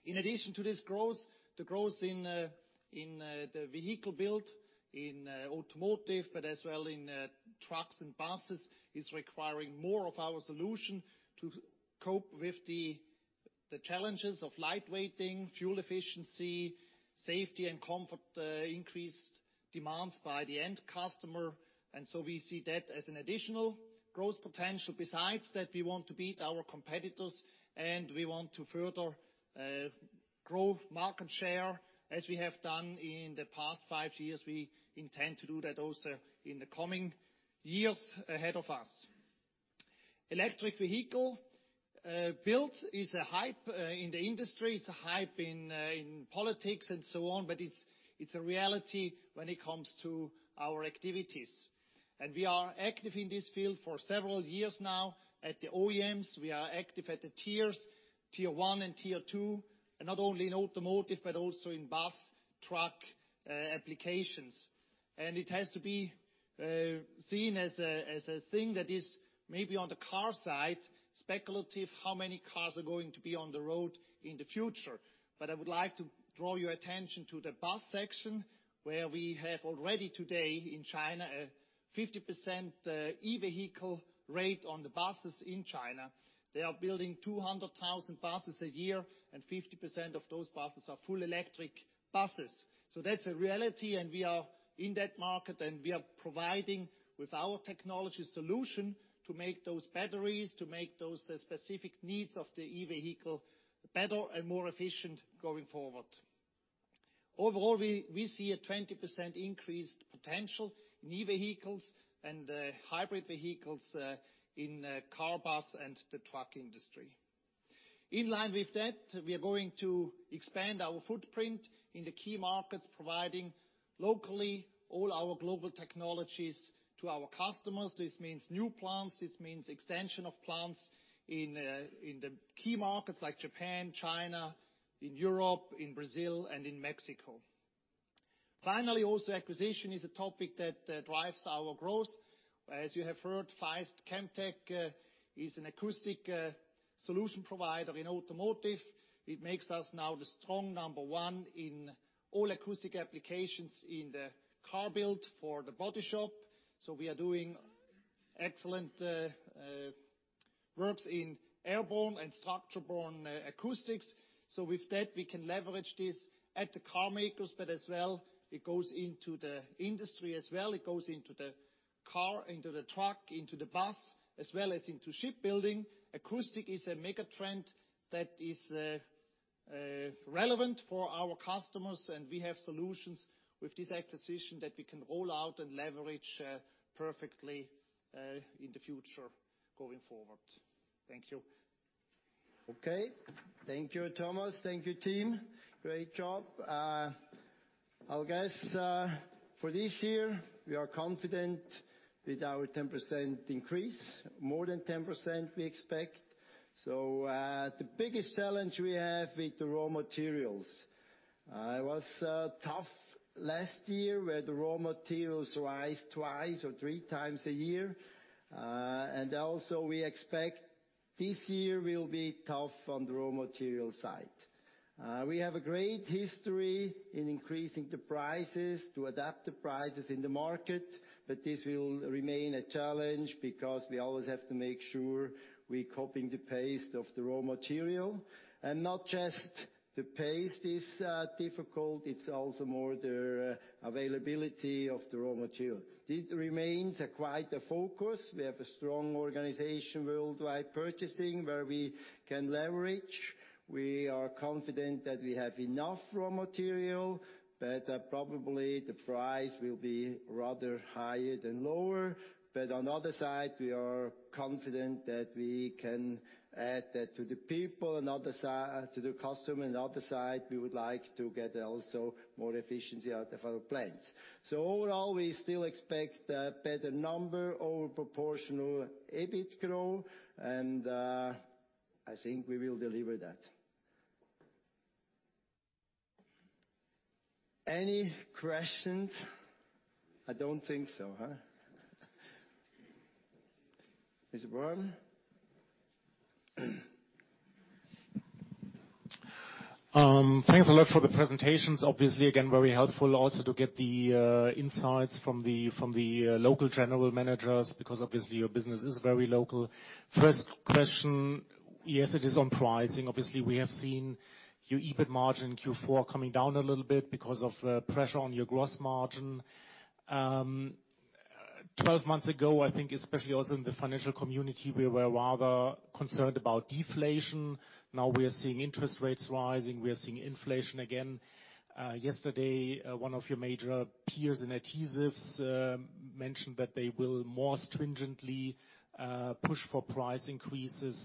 In addition to this growth, the growth in the vehicle build in automotive, but as well in trucks and buses, is requiring more of our solution to cope with the challenges of lightweighting, fuel efficiency, safety, and comfort, increased demands by the end customer. We see that as an additional growth potential. Besides that, we want to beat our competitors and we want to further grow market share as we have done in the past five years. We intend to do that also in the coming years ahead of us. Electric vehicle build is a hype in the industry. It's a hype in politics and so on. It's a reality when it comes to our activities. We are active in this field for several years now at the OEMs, we are active at the tiers, tier 1 and tier 2, and not only in automotive, but also in bus, truck applications. It has to be seen as a thing that is maybe on the car side, speculative, how many cars are going to be on the road in the future. I would like to draw your attention to the bus section, where we have already today in China, a 50% E-vehicle rate on the buses in China. They are building 200,000 buses a year, and 50% of those buses are full electric buses. That's a reality, and we are in that market, and we are providing with our technology solution to make those batteries, to make those specific needs of the E-vehicle better and more efficient going forward. Overall, we see a 20% increased potential in E-vehicles and hybrid vehicles in car, bus, and the truck industry. In line with that, we are going to expand our footprint in the key markets, providing locally all our global technologies to our customers. This means new plants. This means extension of plants in the key markets like Japan, China, in Europe, in Brazil, and in Mexico. Finally, also acquisition is a topic that drives our growth. As you have heard, Faist ChemTec is an acoustic solution provider in automotive. It makes us now the strong number 1 in all acoustic applications in the car build for the body shop. We are doing excellent works in airborne and structure-borne acoustics. With that, we can leverage this at the car makers, but as well, it goes into the industry as well. It goes into the car, into the truck, into the bus, as well as into shipbuilding. Acoustic is a mega trend that is relevant for our customers, and we have solutions with this acquisition that we can roll out and leverage perfectly in the future going forward. Thank you. Okay. Thank you, Thomas. Thank you, team. Great job. I guess for this year, we are confident with our 10% increase. More than 10%, we expect. The biggest challenge we have is the raw materials. It was tough last year, where the raw materials rise twice or three times a year. Also we expect this year will be tough on the raw material side. We have a great history in increasing the prices to adapt the prices in the market, but this will remain a challenge because we always have to make sure we're coping the pace of the raw material. Not just the pace is difficult, it's also more the availability of the raw material. It remains quite a focus. We have a strong organization worldwide purchasing, where we can leverage. We are confident that we have enough raw material, but probably the price will be rather higher than lower. On the other side, we are confident that we can add that to the people and to the customer. On the other side, we would like to get also more efficiency out of our plants. Overall, we still expect a better number, over proportional EBIT growth, and I think we will deliver that. Any questions? I don't think so, huh? Is it Brian? Thanks a lot for the presentations. Obviously, again, very helpful also to get the insights from the local general managers, because obviously your business is very local. First question, yes, it is on pricing. Obviously, we have seen your EBIT margin in Q4 coming down a little bit because of pressure on your gross margin. 12 months ago, I think especially also in the financial community, we were rather concerned about deflation. Now we are seeing interest rates rising, we are seeing inflation again. Yesterday, one of your major peers in adhesives mentioned that they will more stringently push for price increases.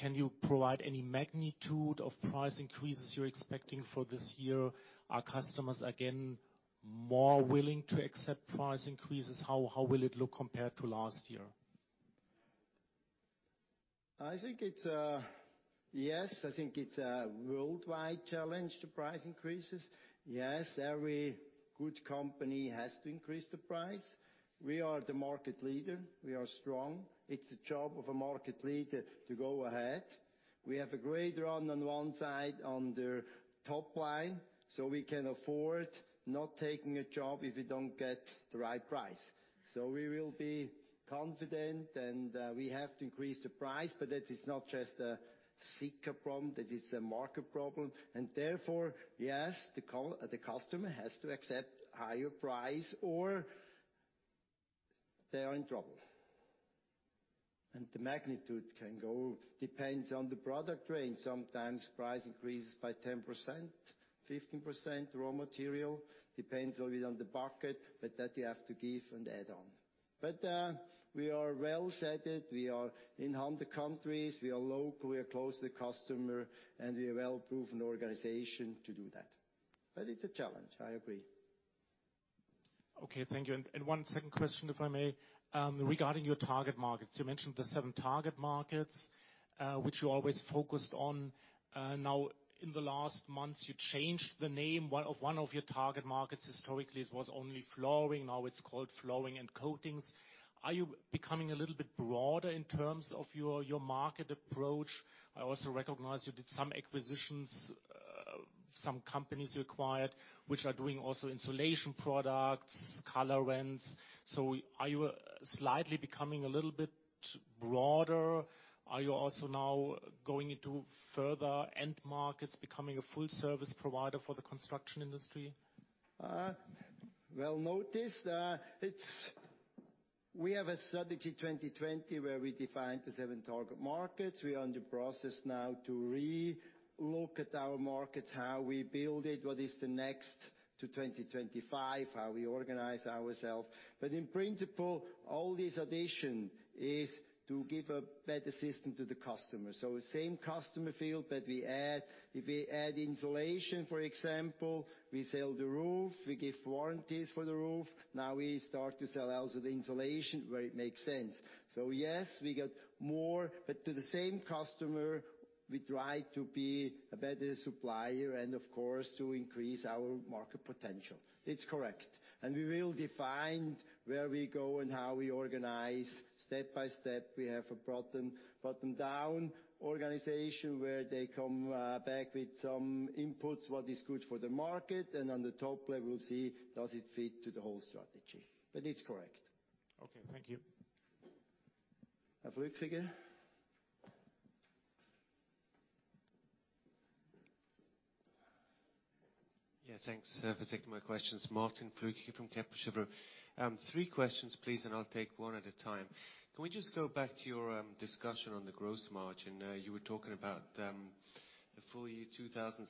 Can you provide any magnitude of price increases you're expecting for this year? Are customers, again, more willing to accept price increases? How will it look compared to last year? Yes, I think it's a worldwide challenge, the price increases. Yes, every good company has to increase the price. We are the market leader. We are strong. It's the job of a market leader to go ahead. We have a great run on one side on the top line, we can afford not taking a job if we don't get the right price. We will be confident, and we have to increase the price, but that is not just a Sika problem, that is a market problem. Therefore, yes, the customer has to accept higher price or they are in trouble. The magnitude depends on the product range. Sometimes price increases by 10%, 15%, raw material. Depends always on the bucket, but that you have to give an add-on. We are well set. We are in 100 countries, we are local, we are close to the customer, and we are a well-proven organization to do that. It's a challenge, I agree. Okay. Thank you. One second question, if I may. Regarding your target markets, you mentioned the seven target markets, which you always focused on. Now, in the last months, you changed the name. One of your target markets historically was only flooring. Now it's called Flooring and Coatings. Are you becoming a little bit broader in terms of your market approach? I also recognize you did some acquisitions, some companies you acquired, which are doing also insulation products, colorants. Are you slightly becoming a little bit broader? Are you also now going into further end markets, becoming a full service provider for the construction industry? Well noticed. We have a strategy 2020 where we defined the seven target markets. We are in the process now to re-look at our markets, how we build it, what is the next to 2025, how we organize ourselves. In principle, all this addition is to give a better system to the customer. Same customer field, but we add. If we add insulation, for example, we sell the roof, we give warranties for the roof. Now we start to sell also the insulation where it makes sense. Yes, we get more, but to the same customer, we try to be a better supplier and of course, to increase our market potential. It's correct. We will define where we go and how we organize step by step. We have a bottom-down organization where they come back with some inputs, what is good for the market, and on the top level, see does it fit to the whole strategy. It's correct. Okay. Thank you. Flueckiger. Yeah. Thanks for taking my questions. Martin Flueckiger from Kepler Cheuvreux. Three questions, please, and I'll take one at a time. Can we just go back to your discussion on the gross margin? You were talking about the full year 2017,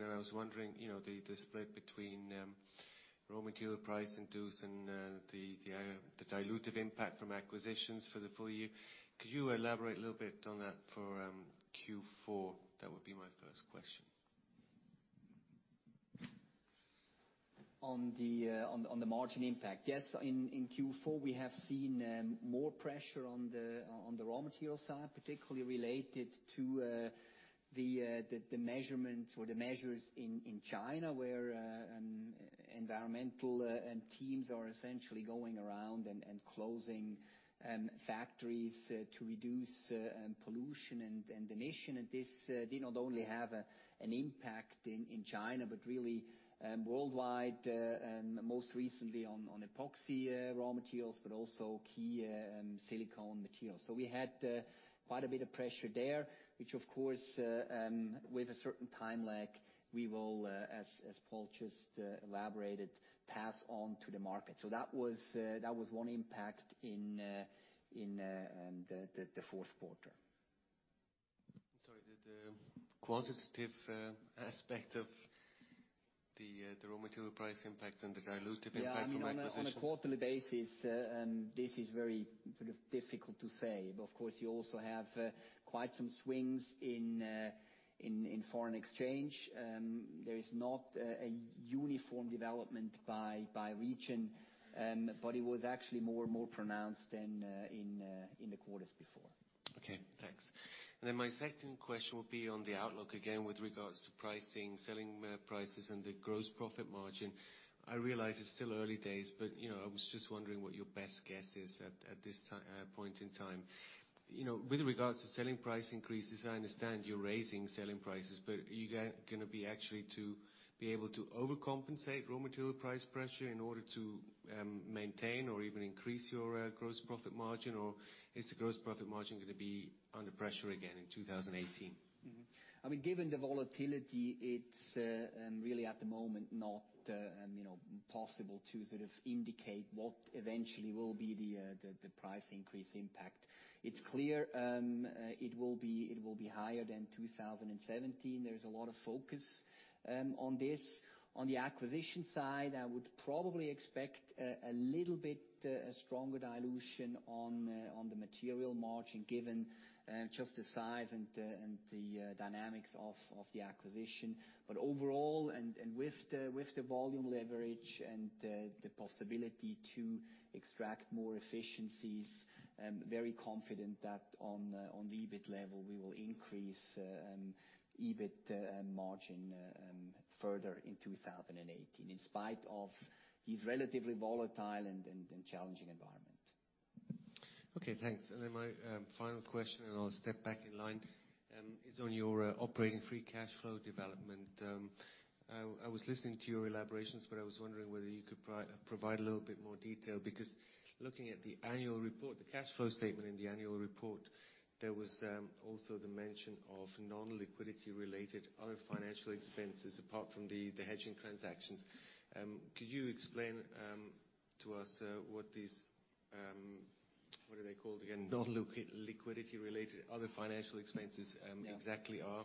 and I was wondering the spread between raw material price and dues and the dilutive impact from acquisitions for the full year. Could you elaborate a little bit on that for Q4? That would be my first question. On the margin impact. Yes, in Q4, we have seen more pressure on the raw material side, particularly related to the measurements or the measures in China, where environmental teams are essentially going around and closing factories to reduce pollution and emission. This did not only have an impact in China, but really worldwide, most recently on epoxy raw materials, but also key silicone materials. We had quite a bit of pressure there, which, of course, with a certain time lag, we will, as Paul just elaborated, pass on to the market. That was one impact in the fourth quarter. Sorry, the quantitative aspect of the raw material price impact and the dilutive impact on acquisitions. Yeah. On a quarterly basis, this is very difficult to say. Of course, you also have quite some swings in foreign exchange. There is not a uniform development by region. It was actually more pronounced than in the quarters before. Okay, thanks. My second question will be on the outlook again with regards to pricing, selling prices, and the gross profit margin. I realize it's still early days, but I was just wondering what your best guess is at this point in time. With regards to selling price increases, I understand you're raising selling prices, but are you going to be actually to be able to overcompensate raw material price pressure in order to maintain or even increase your gross profit margin? Is the gross profit margin going to be under pressure again in 2018? Given the volatility, it's really at the moment not possible to indicate what eventually will be the price increase impact. It's clear it will be higher than 2017. There is a lot of focus on this. On the acquisition side, I would probably expect a little bit stronger dilution on the material margin given just the size and the dynamics of the acquisition. Overall, and with the volume leverage and the possibility to extract more efficiencies, I'm very confident that on the EBIT level, we will increase EBIT margin further in 2018, in spite of the relatively volatile and challenging environment. Okay, thanks. My final question, and I'll step back in line, is on your operating free cash flow development. I was listening to your elaborations, but I was wondering whether you could provide a little bit more detail, because looking at the annual report, the cash flow statement in the annual report, there was also the mention of non-liquidity related other financial expenses apart from the hedging transactions. Could you explain to us what are they called again? Non-liquidity related other financial expenses exactly are.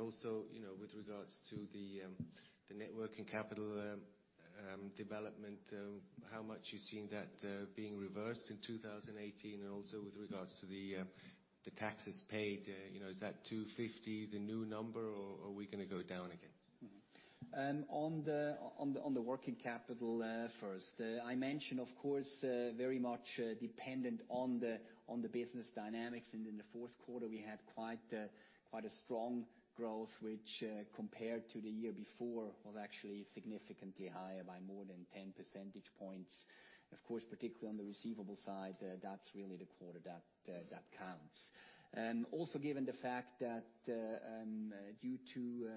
Also, with regards to the net working capital development, how much you're seeing that being reversed in 2018 and also with regards to the taxes paid. Is that 250 the new number or are we going to go down again? On the working capital first. I mentioned, of course, very much dependent on the business dynamics. In the fourth quarter, we had quite a strong growth, which compared to the year before, was actually significantly higher by more than 10 percentage points. Of course, particularly on the receivable side, that's really the quarter that counts. Also, given the fact that due to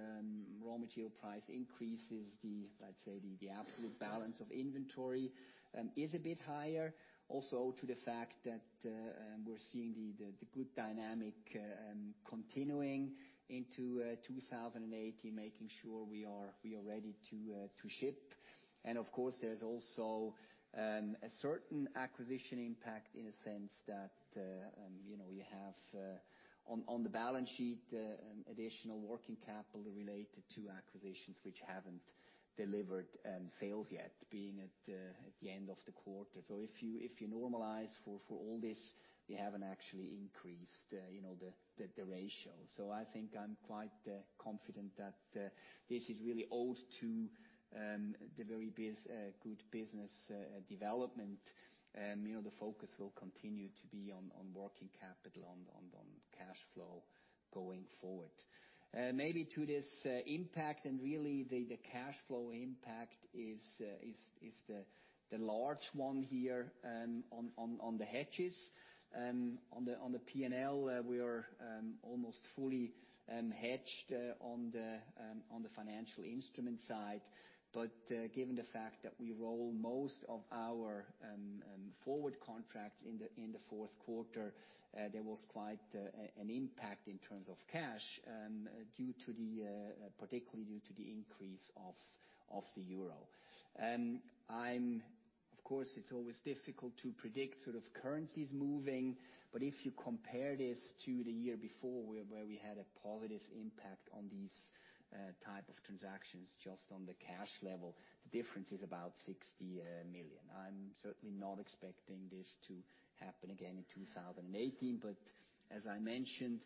raw material price increases, I'd say the absolute balance of inventory is a bit higher. Also to the fact that we're seeing the good dynamic continuing into 2018, making sure we are ready to ship. Of course, there is also a certain acquisition impact in the sense that we have on the balance sheet, additional working capital related to acquisitions which haven't delivered sales yet being at the end of the quarter. If you normalize for all this, we haven't actually increased the ratio. I think I'm quite confident that this is really owed to the very good business development. The focus will continue to be on working capital, on cash flow going forward. Maybe to this impact, and really the cash flow impact is the large one here on the hedges. On the P&L, we are almost fully hedged on the financial instrument side. Given the fact that we roll most of our forward contracts in the fourth quarter, there was quite an impact in terms of cash, particularly due to the increase of the euro. Of course, it's always difficult to predict currencies moving, but if you compare this to the year before where we had a positive impact on these type of transactions, just on the cash level, the difference is about 60 million. I'm certainly not expecting this to happen again in 2018, but as I mentioned,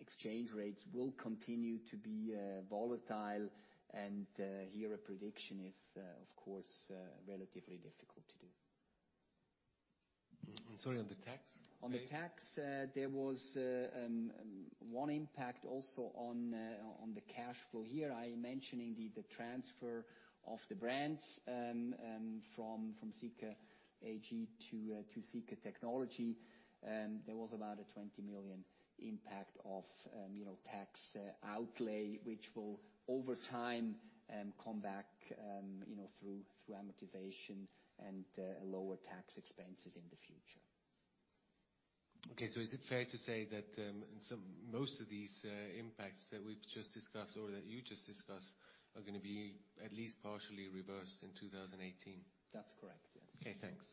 exchange rates will continue to be volatile, and here a prediction is, of course, relatively difficult to do. Sorry, on the tax? On the tax, there was one impact also on the cash flow here. I mentioned indeed, the transfer of the brands from Sika AG to Sika Technology. There was about a 20 million impact of tax outlay, which will, over time, come back through amortization and lower tax expenses in the future. Is it fair to say that most of these impacts that we've just discussed, or that you just discussed, are going to be at least partially reversed in 2018? That's correct, yes. Okay, thanks.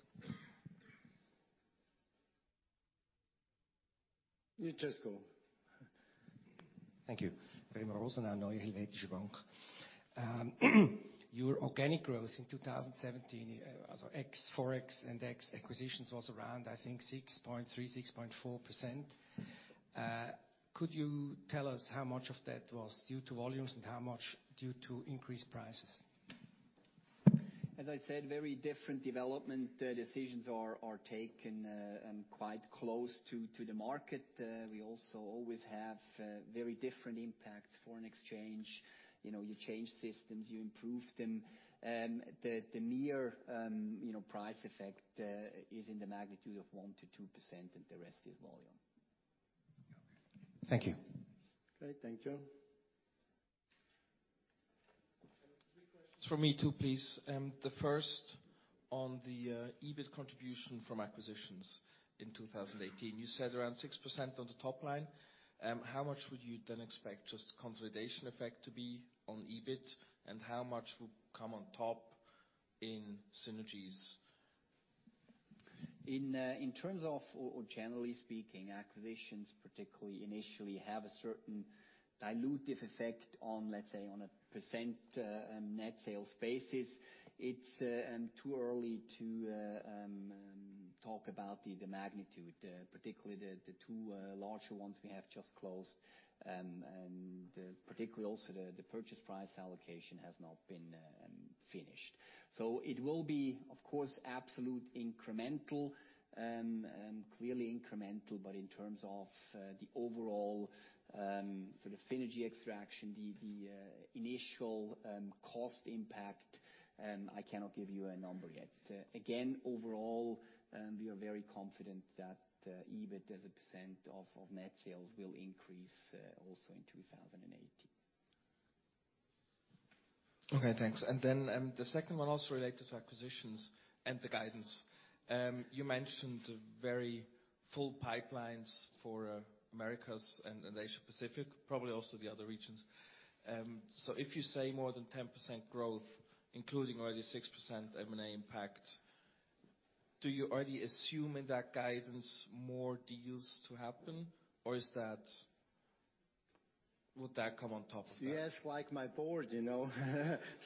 Yes, go. Thank you. Remo Rosenau, Helvetische Bank. Your organic growth in 2017, so ex Forex and ex acquisitions, was around, I think 6.3%-6.4%. Could you tell us how much of that was due to volumes and how much due to increased prices? As I said, very different development decisions are taken and quite close to the market. We also always have very different impacts, foreign exchange. You change systems, you improve them. The mere price effect is in the magnitude of 1%-2% and the rest is volume. Thank you. Okay, thank you. Three questions from me, too, please. The first on the EBIT contribution from acquisitions in 2018. You said around 6% on the top line. How much would you then expect just consolidation effect to be on EBIT? How much will come on top in synergies? In terms of, or generally speaking, acquisitions particularly initially have a certain dilutive effect on, let's say, on a % net sales basis. It's too early to talk about the magnitude, particularly the 2 larger ones we have just closed. Particularly also the purchase price allocation has not been finished. It will be, of course, absolute incremental, clearly incremental, but in terms of the overall sort of synergy extraction, the initial cost impact, I cannot give you a number yet. Again, overall, we are very confident that EBIT as a % of net sales will increase also in 2018. Okay, thanks. The second one also related to acquisitions and the guidance. You mentioned very full pipelines for Americas and Asia/Pacific, probably also the other regions. If you say more than 10% growth, including already 6% M&A impact, do you already assume in that guidance more deals to happen, or would that come on top of that? You ask like my board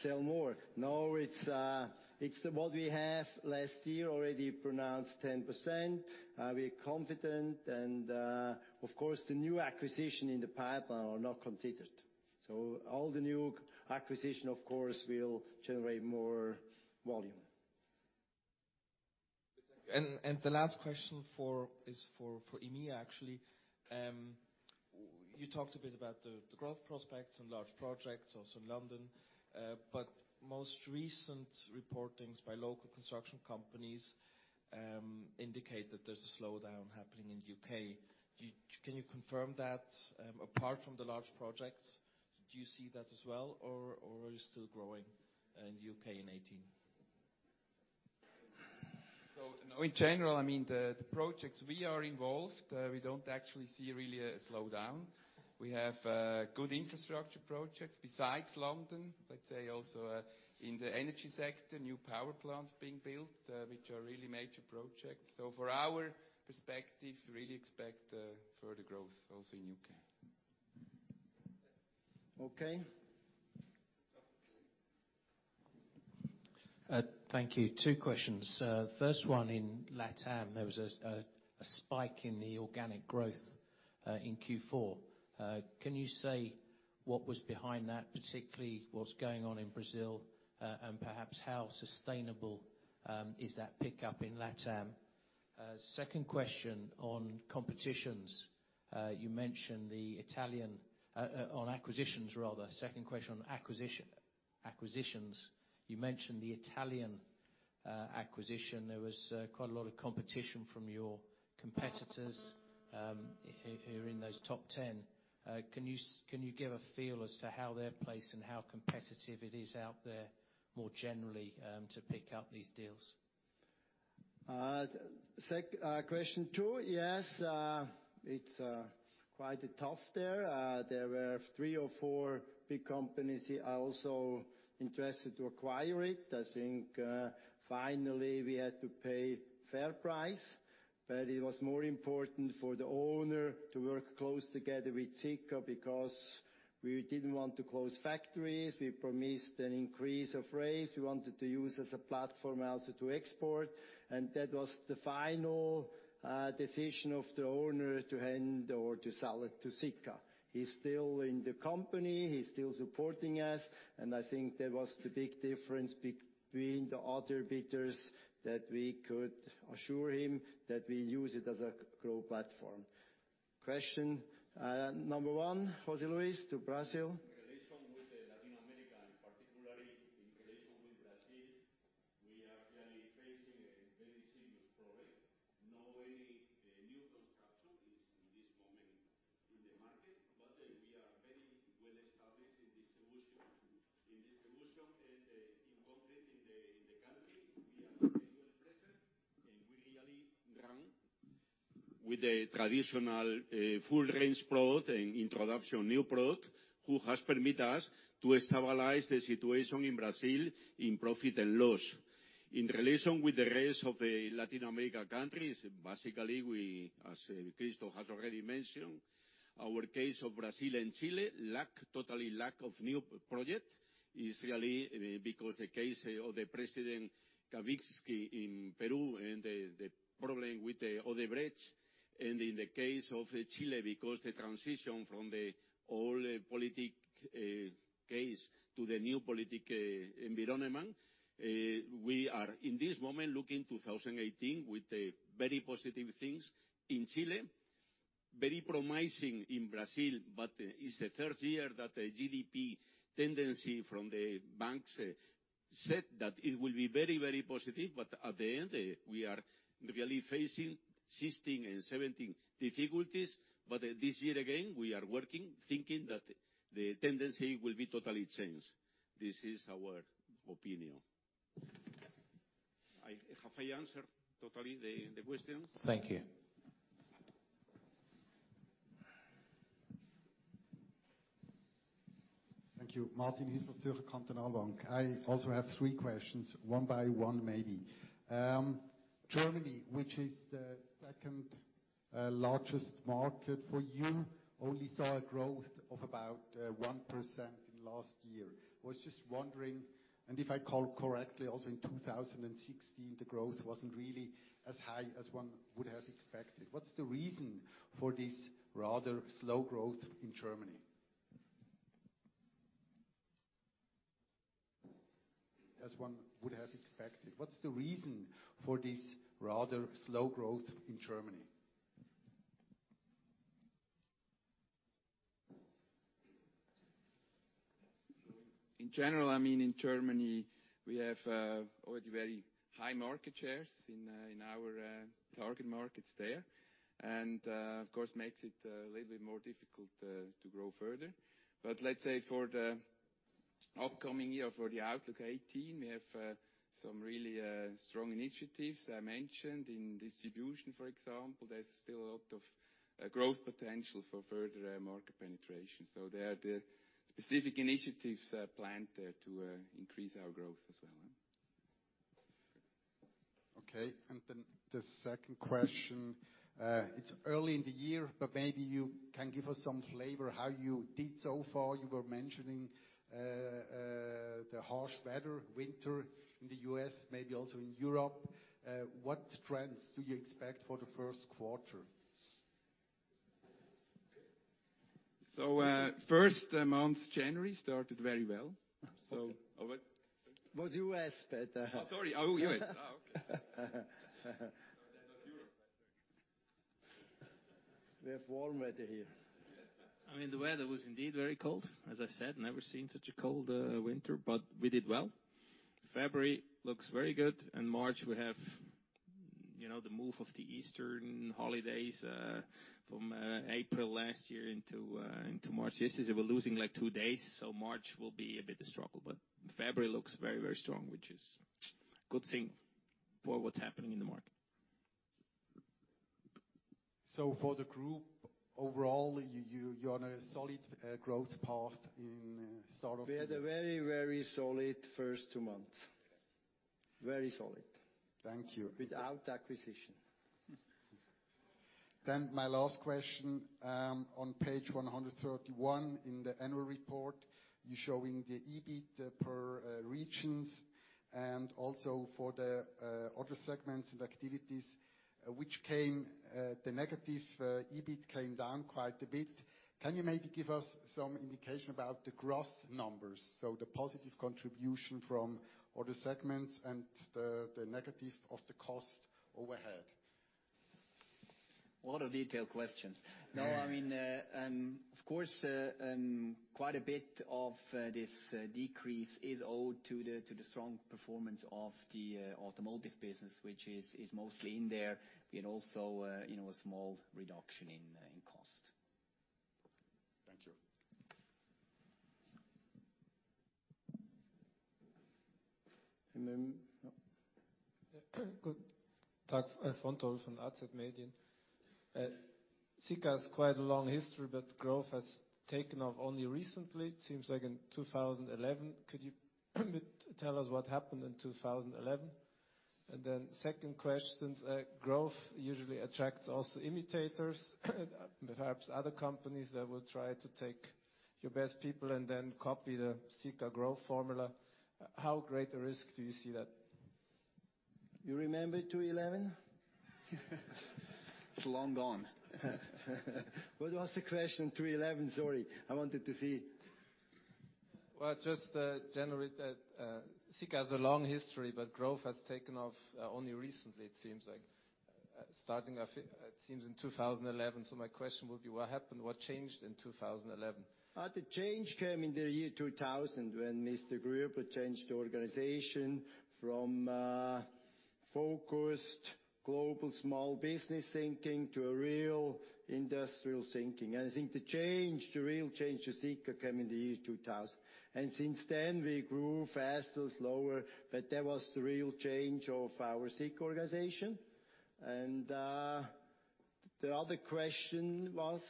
sell more. No, it's what we have last year, already pronounced 10%. We are confident and, of course, the new acquisition in the pipeline are not considered. All the new acquisition, of course, will generate more volume. The last question is for EMEA, actually. You talked a bit about the growth prospects and large projects, also in London. Most recent reportings by local construction companies indicate that there's a slowdown happening in U.K. Can you confirm that? Apart from the large projects, do you see that as well, or are you still growing in U.K. in 2018? In general, the projects we are involved, we don't actually see really a slowdown. We have good infrastructure projects besides London, let's say also in the energy sector, new power plants being built, which are really major projects. For our perspective, really expect further growth also in U.K. Okay. Thank you. Two questions. First one, in LatAm, there was a spike in the organic growth in Q4. Can you say what was behind that, particularly what's going on in Brazil? Perhaps how sustainable is that pickup in LatAm? Second question on competitions. Second question on acquisitions. You mentioned the Italian acquisition. There was quite a lot of competition from your competitors who are in those top 10. Can you give a feel as to how they're placed and how competitive it is out there more generally, to pick up these deals? Question two, yes. It's quite tough there. There were three or four big companies here also interested to acquire it. I think, finally, we had to pay fair price, but it was more important for the owner to work close together with Sika because we didn't want to close factories. We promised an increase of raise. We wanted to use as a platform also to export. That was the final decision of the owner to hand or to sell it to Sika. He's still in the company. He's still supporting us, and I think that was the big difference between the other bidders, that we could assure him that we use it as a growth platform. Question number one, José Luis to Brazil. In relation with Latin America, and particularly in relation with Brazil, we are clearly facing a very serious problem. No new construction is in this moment in the market, but we are very well established in distribution. In distribution and in content in the country, we are very well present, and we really run with a traditional full range product and introduction new product, who has permit us to stabilize the situation in Brazil in profit and loss. In relation with the rest of the Latin America countries, basically, as Christoph has already mentioned, our case of Brazil and Chile, totally lack of new project is really because the case of the President Kuczynski in Peru and the problem with Odebrecht. In the case of Chile, because the transition from the old politic case to the new politic environment. We are, in this moment, looking 2018 with very positive things in Chile. Very promising in Brazil, but it's the third year that the GDP tendency from the banks said that it will be very positive, but at the end, we are really facing 2016 and 2017 difficulties. This year again, we are working thinking that the tendency will be totally changed. This is our opinion. Have I answered totally the question? Thank you. Thank you. Martin Hiesl, Zürcher Kantonalbank. I also have three questions, one by one, maybe. Germany, which is the second largest market for you, only saw a growth of about 1% in last year. Was just wondering, and if I call correctly, also in 2016, the growth wasn't really as high as one would have expected. What's the reason for this rather slow growth in Germany? As one would have expected, what's the reason for this rather slow growth in Germany? In general, in Germany, we have already very high market shares in our target markets there. Of course, makes it a little bit more difficult to grow further. Let's say for the upcoming year, for the outlook 2018, we have some really strong initiatives. I mentioned in distribution, for example, there's still a lot of growth potential for further market penetration. There are the specific initiatives planned there to increase our growth as well. Okay, the second question. It's early in the year, but maybe you can give us some flavor how you did so far. You were mentioning the harsh weather, winter in the U.S., maybe also in Europe. What trends do you expect for the first quarter? First month, January, started very well. Was U.S. Oh, sorry. Oh, U.S. Oh, okay. Not Europe, I think. We have warm weather here. I mean, the weather was indeed very cold, as I said, never seen such a cold winter, but we did well. February looks very good, March we have the move of the Eastern holidays from April last year into March. This is we're losing like two days, so March will be a bit of struggle, February looks very strong, which is good thing for what's happening in the market. For the group overall, you're on a solid growth path in start of the- We had a very solid first two months. Very solid. Thank you. Without acquisition. My last question, on page 131 in the annual report, you're showing the EBIT per regions and also for the other segments and activities, the negative EBIT came down quite a bit. Can you maybe give us some indication about the gross numbers? The positive contribution from other segments and the negative of the cost overhead. A lot of detailed questions. No, I mean, of course, quite a bit of this decrease is owed to the strong performance of the automotive business, which is mostly in there. Also, a small reduction in cost. Thank you. Then, yeah. Good. Tuck von Tholf from AZ Medien. Sika has quite a long history, but growth has taken off only recently, it seems like in 2011. Could you tell us what happened in 2011? Second question, growth usually attracts also imitators perhaps other companies that will try to take your best people and then copy the Sika growth formula. How great a risk do you see that? You remember 2011? It's long gone. What was the question? 2011, sorry. I wanted to see Well, just generally, Sika has a long history, but growth has taken off only recently, it seems like. Starting, it seems, in 2011. My question would be, what happened? What changed in 2011? The change came in the year 2000, when Mr. Grüebler changed the organization from a focused global small business thinking to a real industrial thinking. I think the real change to Sika came in the year 2000. Since then we grew faster, slower, but that was the real change of our Sika organization. The other question was?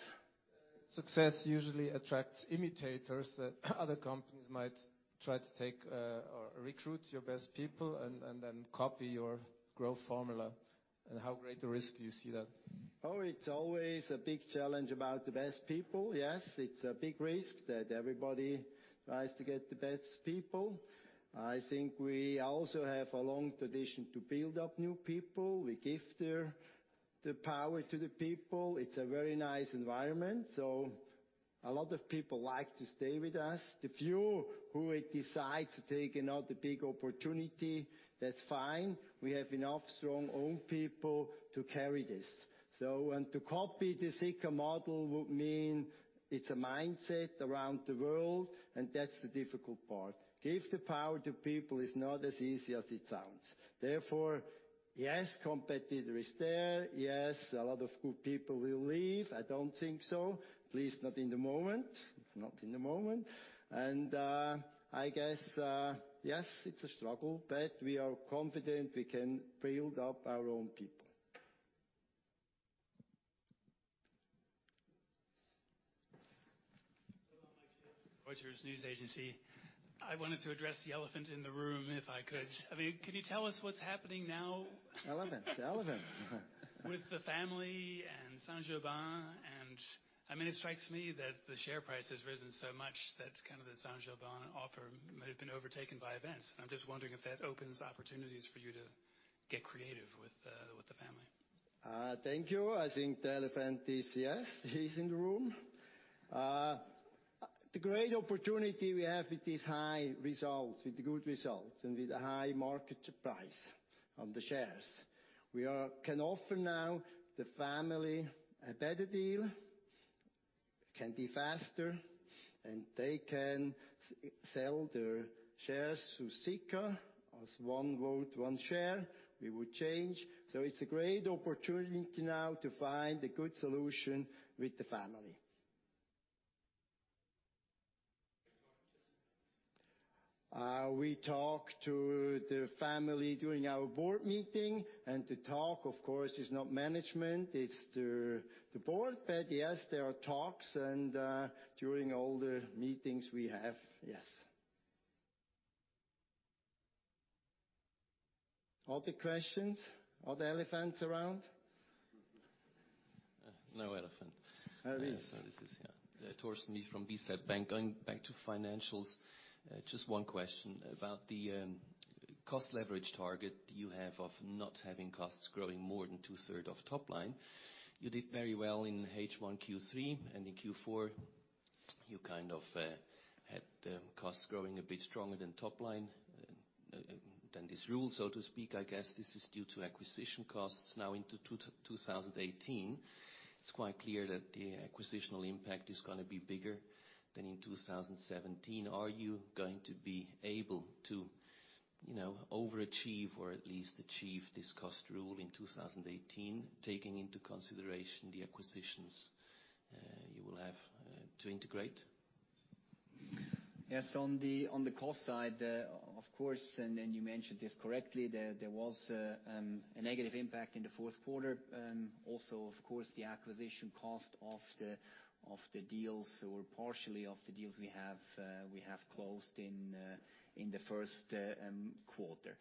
Success usually attracts imitators, that other companies might try to take or recruit your best people and then copy your growth formula. How great a risk do you see that? Oh, it's always a big challenge about the best people. Yes, it's a big risk that everybody tries to get the best people. I think we also have a long tradition to build up new people. We give the power to the people. It's a very nice environment. A lot of people like to stay with us. The few who will decide to take another big opportunity, that's fine. We have enough strong own people to carry this. To copy the Sika model would mean it's a mindset around the world, and that's the difficult part. Give the power to people is not as easy as it sounds. Therefore, yes, competitor is there. Yes, a lot of good people will leave. I don't think so. Please, not in the moment. I guess, yes, it's a struggle, but we are confident we can build up our own people. Hello, Mike Ship, Reuters. I wanted to address the elephant in the room, if I could. I mean, can you tell us what's happening now- Elephant? With the family and Saint-Gobain. I mean, it strikes me that the share price has risen so much that kind of the Saint-Gobain offer may have been overtaken by events. I'm just wondering if that opens opportunities for you to get creative with the family. Thank you. I think the elephant is yes, he's in the room. The great opportunity we have with these high results, with the good results, and with the high market price of the shares. We can offer now the family a better deal, can be faster, and they can sell their shares to Sika as one vote, one share, we would change. It's a great opportunity now to find a good solution with the family. Yes. We talk to the family during our board meeting. The talk, of course, is not management, it's the board. Yes, there are talks and, during all the meetings we have, yes. All the questions? All the elephants around? No elephant. There is. This is Thorsten Mieth from BSIP Bank. Going back to financials, just one question about the cost leverage target you have of not having costs growing more than two-third of top line. You did very well in H1 and Q3, and in Q4 you kind of had the costs growing a bit stronger than top line, than this rule, so to speak. I guess this is due to acquisition costs now into 2018. It is quite clear that the acquisitional impact is going to be bigger than in 2017. Are you going to be able to overachieve or at least achieve this cost rule in 2018, taking into consideration the acquisitions you will have to integrate? Yes, on the cost side, of course, and you mentioned this correctly, there was a negative impact in the fourth quarter. Also, of course, the acquisition cost of the deals or partially of the deals we have closed in the first quarter.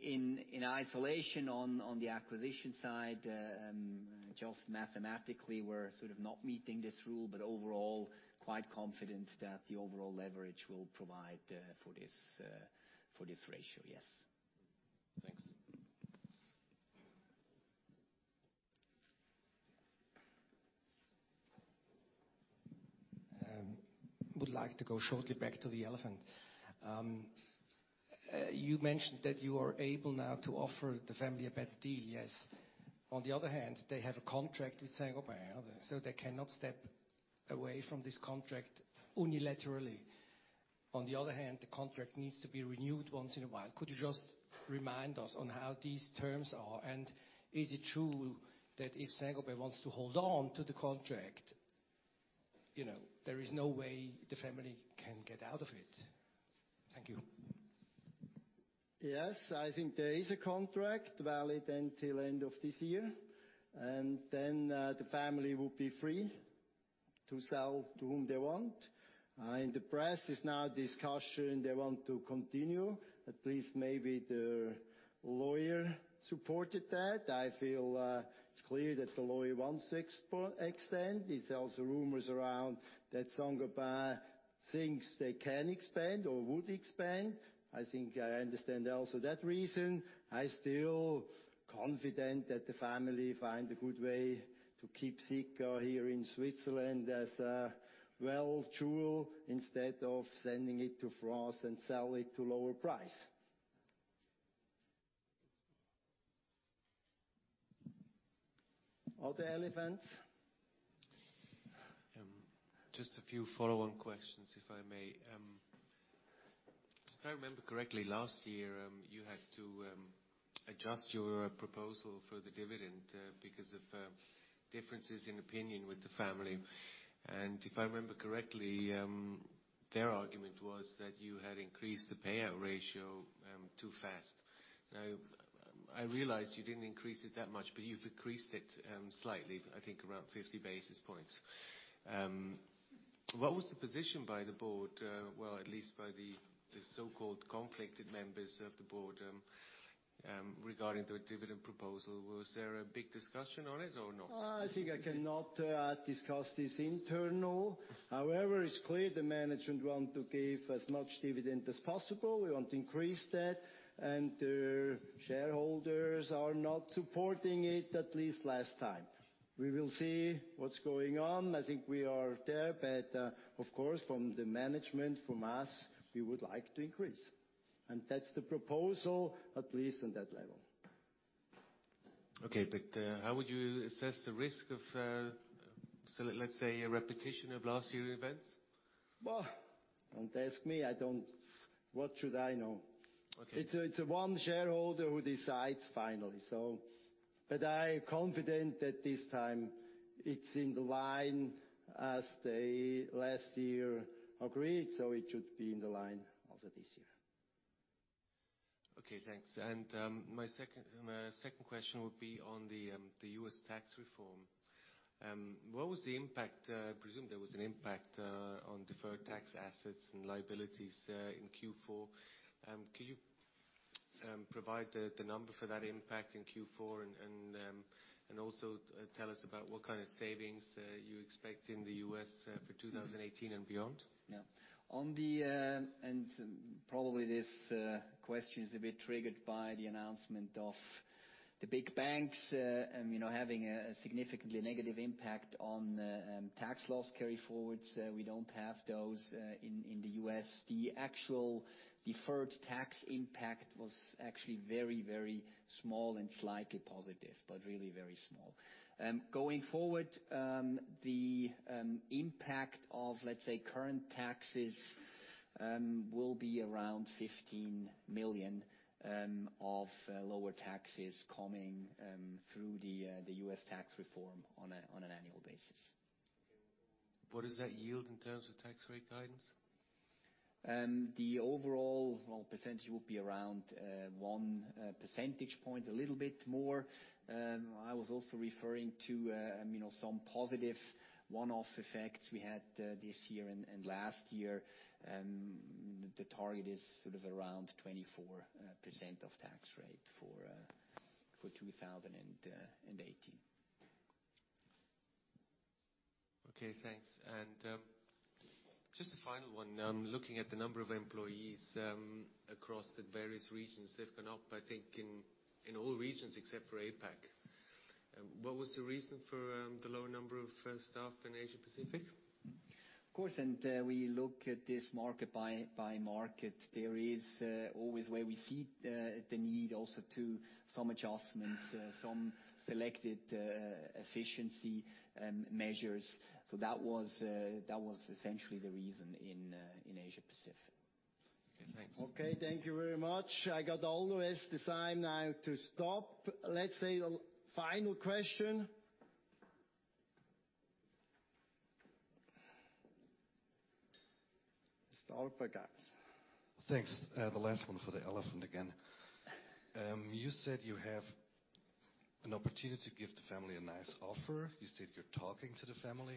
In isolation on the acquisition side, just mathematically, we are sort of not meeting this rule, but overall, quite confident that the overall leverage will provide for this ratio, yes. Thanks. Would like to go shortly back to the elephant. You mentioned that you are able now to offer the family a better deal, yes. They have a contract with Saint-Gobain, so they cannot step away from this contract unilaterally. The contract needs to be renewed once in a while. Could you just remind us on how these terms are? Is it true that if Saint-Gobain wants to hold on to the contract, there is no way the family can get out of it? Thank you. Yes, I think there is a contract valid until end of this year. The family will be free to sell to whom they want. In the press, there's now discussion they want to continue. At least maybe their lawyer supported that. I feel it's clear that the lawyer wants to extend. There's also rumors around that Saint-Gobain thinks they can expand or would expand. I think I understand also that reason. I still confident that the family find a good way to keep Sika here in Switzerland as a wealth jewel instead of sending it to France and sell it to lower price. Other elephants? Just a few follow-on questions, if I may. If I remember correctly, last year, you had to adjust your proposal for the dividend because of differences in opinion with the family. If I remember correctly, their argument was that you had increased the payout ratio too fast. Now, I realize you didn't increase it that much, but you've increased it slightly, I think around 50 basis points. What was the position by the board, well, at least by the so-called conflicted members of the board regarding the dividend proposal? Was there a big discussion on it or not? I think I cannot discuss this internal. However, it's clear the management want to give as much dividend as possible. We want to increase that. Shareholders are not supporting it, at least last time. We will see what's going on. I think we are there, of course, from the management, from us, we would like to increase. That's the proposal, at least on that level. Okay, how would you assess the risk of, let's say, a repetition of last year's events? Well, don't ask me. What should I know? Okay. It's one shareholder who decides finally. I am confident that this time it's in the line as they last year agreed, it should be in the line also this year. Okay, thanks. My second question would be on the U.S. tax reform. What was the impact, I presume there was an impact, on deferred tax assets and liabilities in Q4? Can you provide the number for that impact in Q4? Also tell us about what kind of savings you expect in the U.S. for 2018 and beyond? Probably this question is a bit triggered by the announcement of the big banks, having a significantly negative impact on tax loss carryforwards. We don't have those in the U.S. The actual deferred tax impact was actually very small and slightly positive, but really very small. Going forward, the impact of, let's say, current taxes will be around 15 million of lower taxes coming through the U.S. tax reform on an annual basis. What does that yield in terms of tax rate guidance? The overall percentage will be around one percentage point, a little bit more. I was also referring to some positive one-off effects we had this year and last year. The target is sort of around 24% of tax rate for 2018. Okay, thanks. Just a final one. Looking at the number of employees across the various regions, they've gone up, I think, in all regions except for APAC. What was the reason for the lower number of staff in Asia-Pacific? Of course, we look at this market by market. There is always where we see the need also to some adjustments, some selected efficiency measures. That was essentially the reason in Asia-Pacific. Okay, thanks. Okay, thank you very much. I got all the rest assigned now to stop. Let's say the final question. *inaudible* Thanks. The last one for the elephant again. You said you have an opportunity to give the family a nice offer. You said you're talking to the family.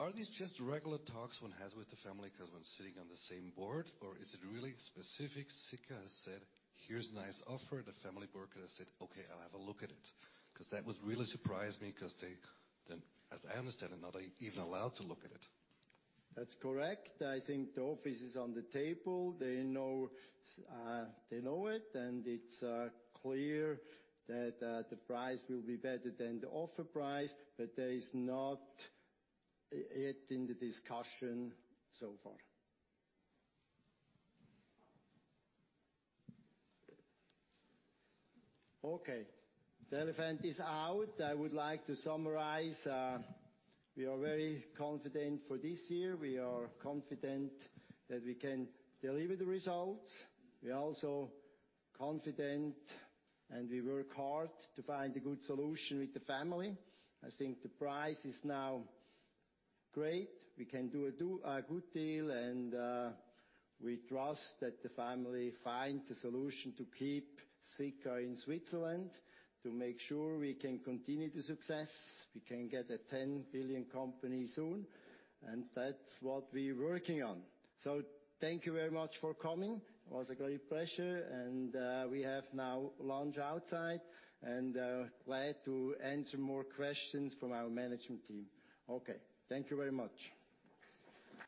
Are these just regular talks one has with the family because one's sitting on the same board? Or is it really specific, Sika has said, "Here's a nice offer," the family board has said, "Okay, I'll have a look at it." That would really surprise me because they, as I understand it, not even allowed to look at it. That's correct. I think the offer is on the table. They know it, and it's clear that the price will be better than the offer price, but that is not yet in the discussion so far. Okay. The elephant is out. I would like to summarize. We are very confident for this year. We are confident that we can deliver the results. We are also confident, and we work hard to find a good solution with the family. I think the price is now great. We can do a good deal, and we trust that the family find the solution to keep Sika in Switzerland, to make sure we can continue the success. We can get a 10 billion company soon, and that's what we're working on. Thank you very much for coming. It was a great pleasure. We have now lunch outside, and glad to answer more questions from our management team. Okay. Thank you very much.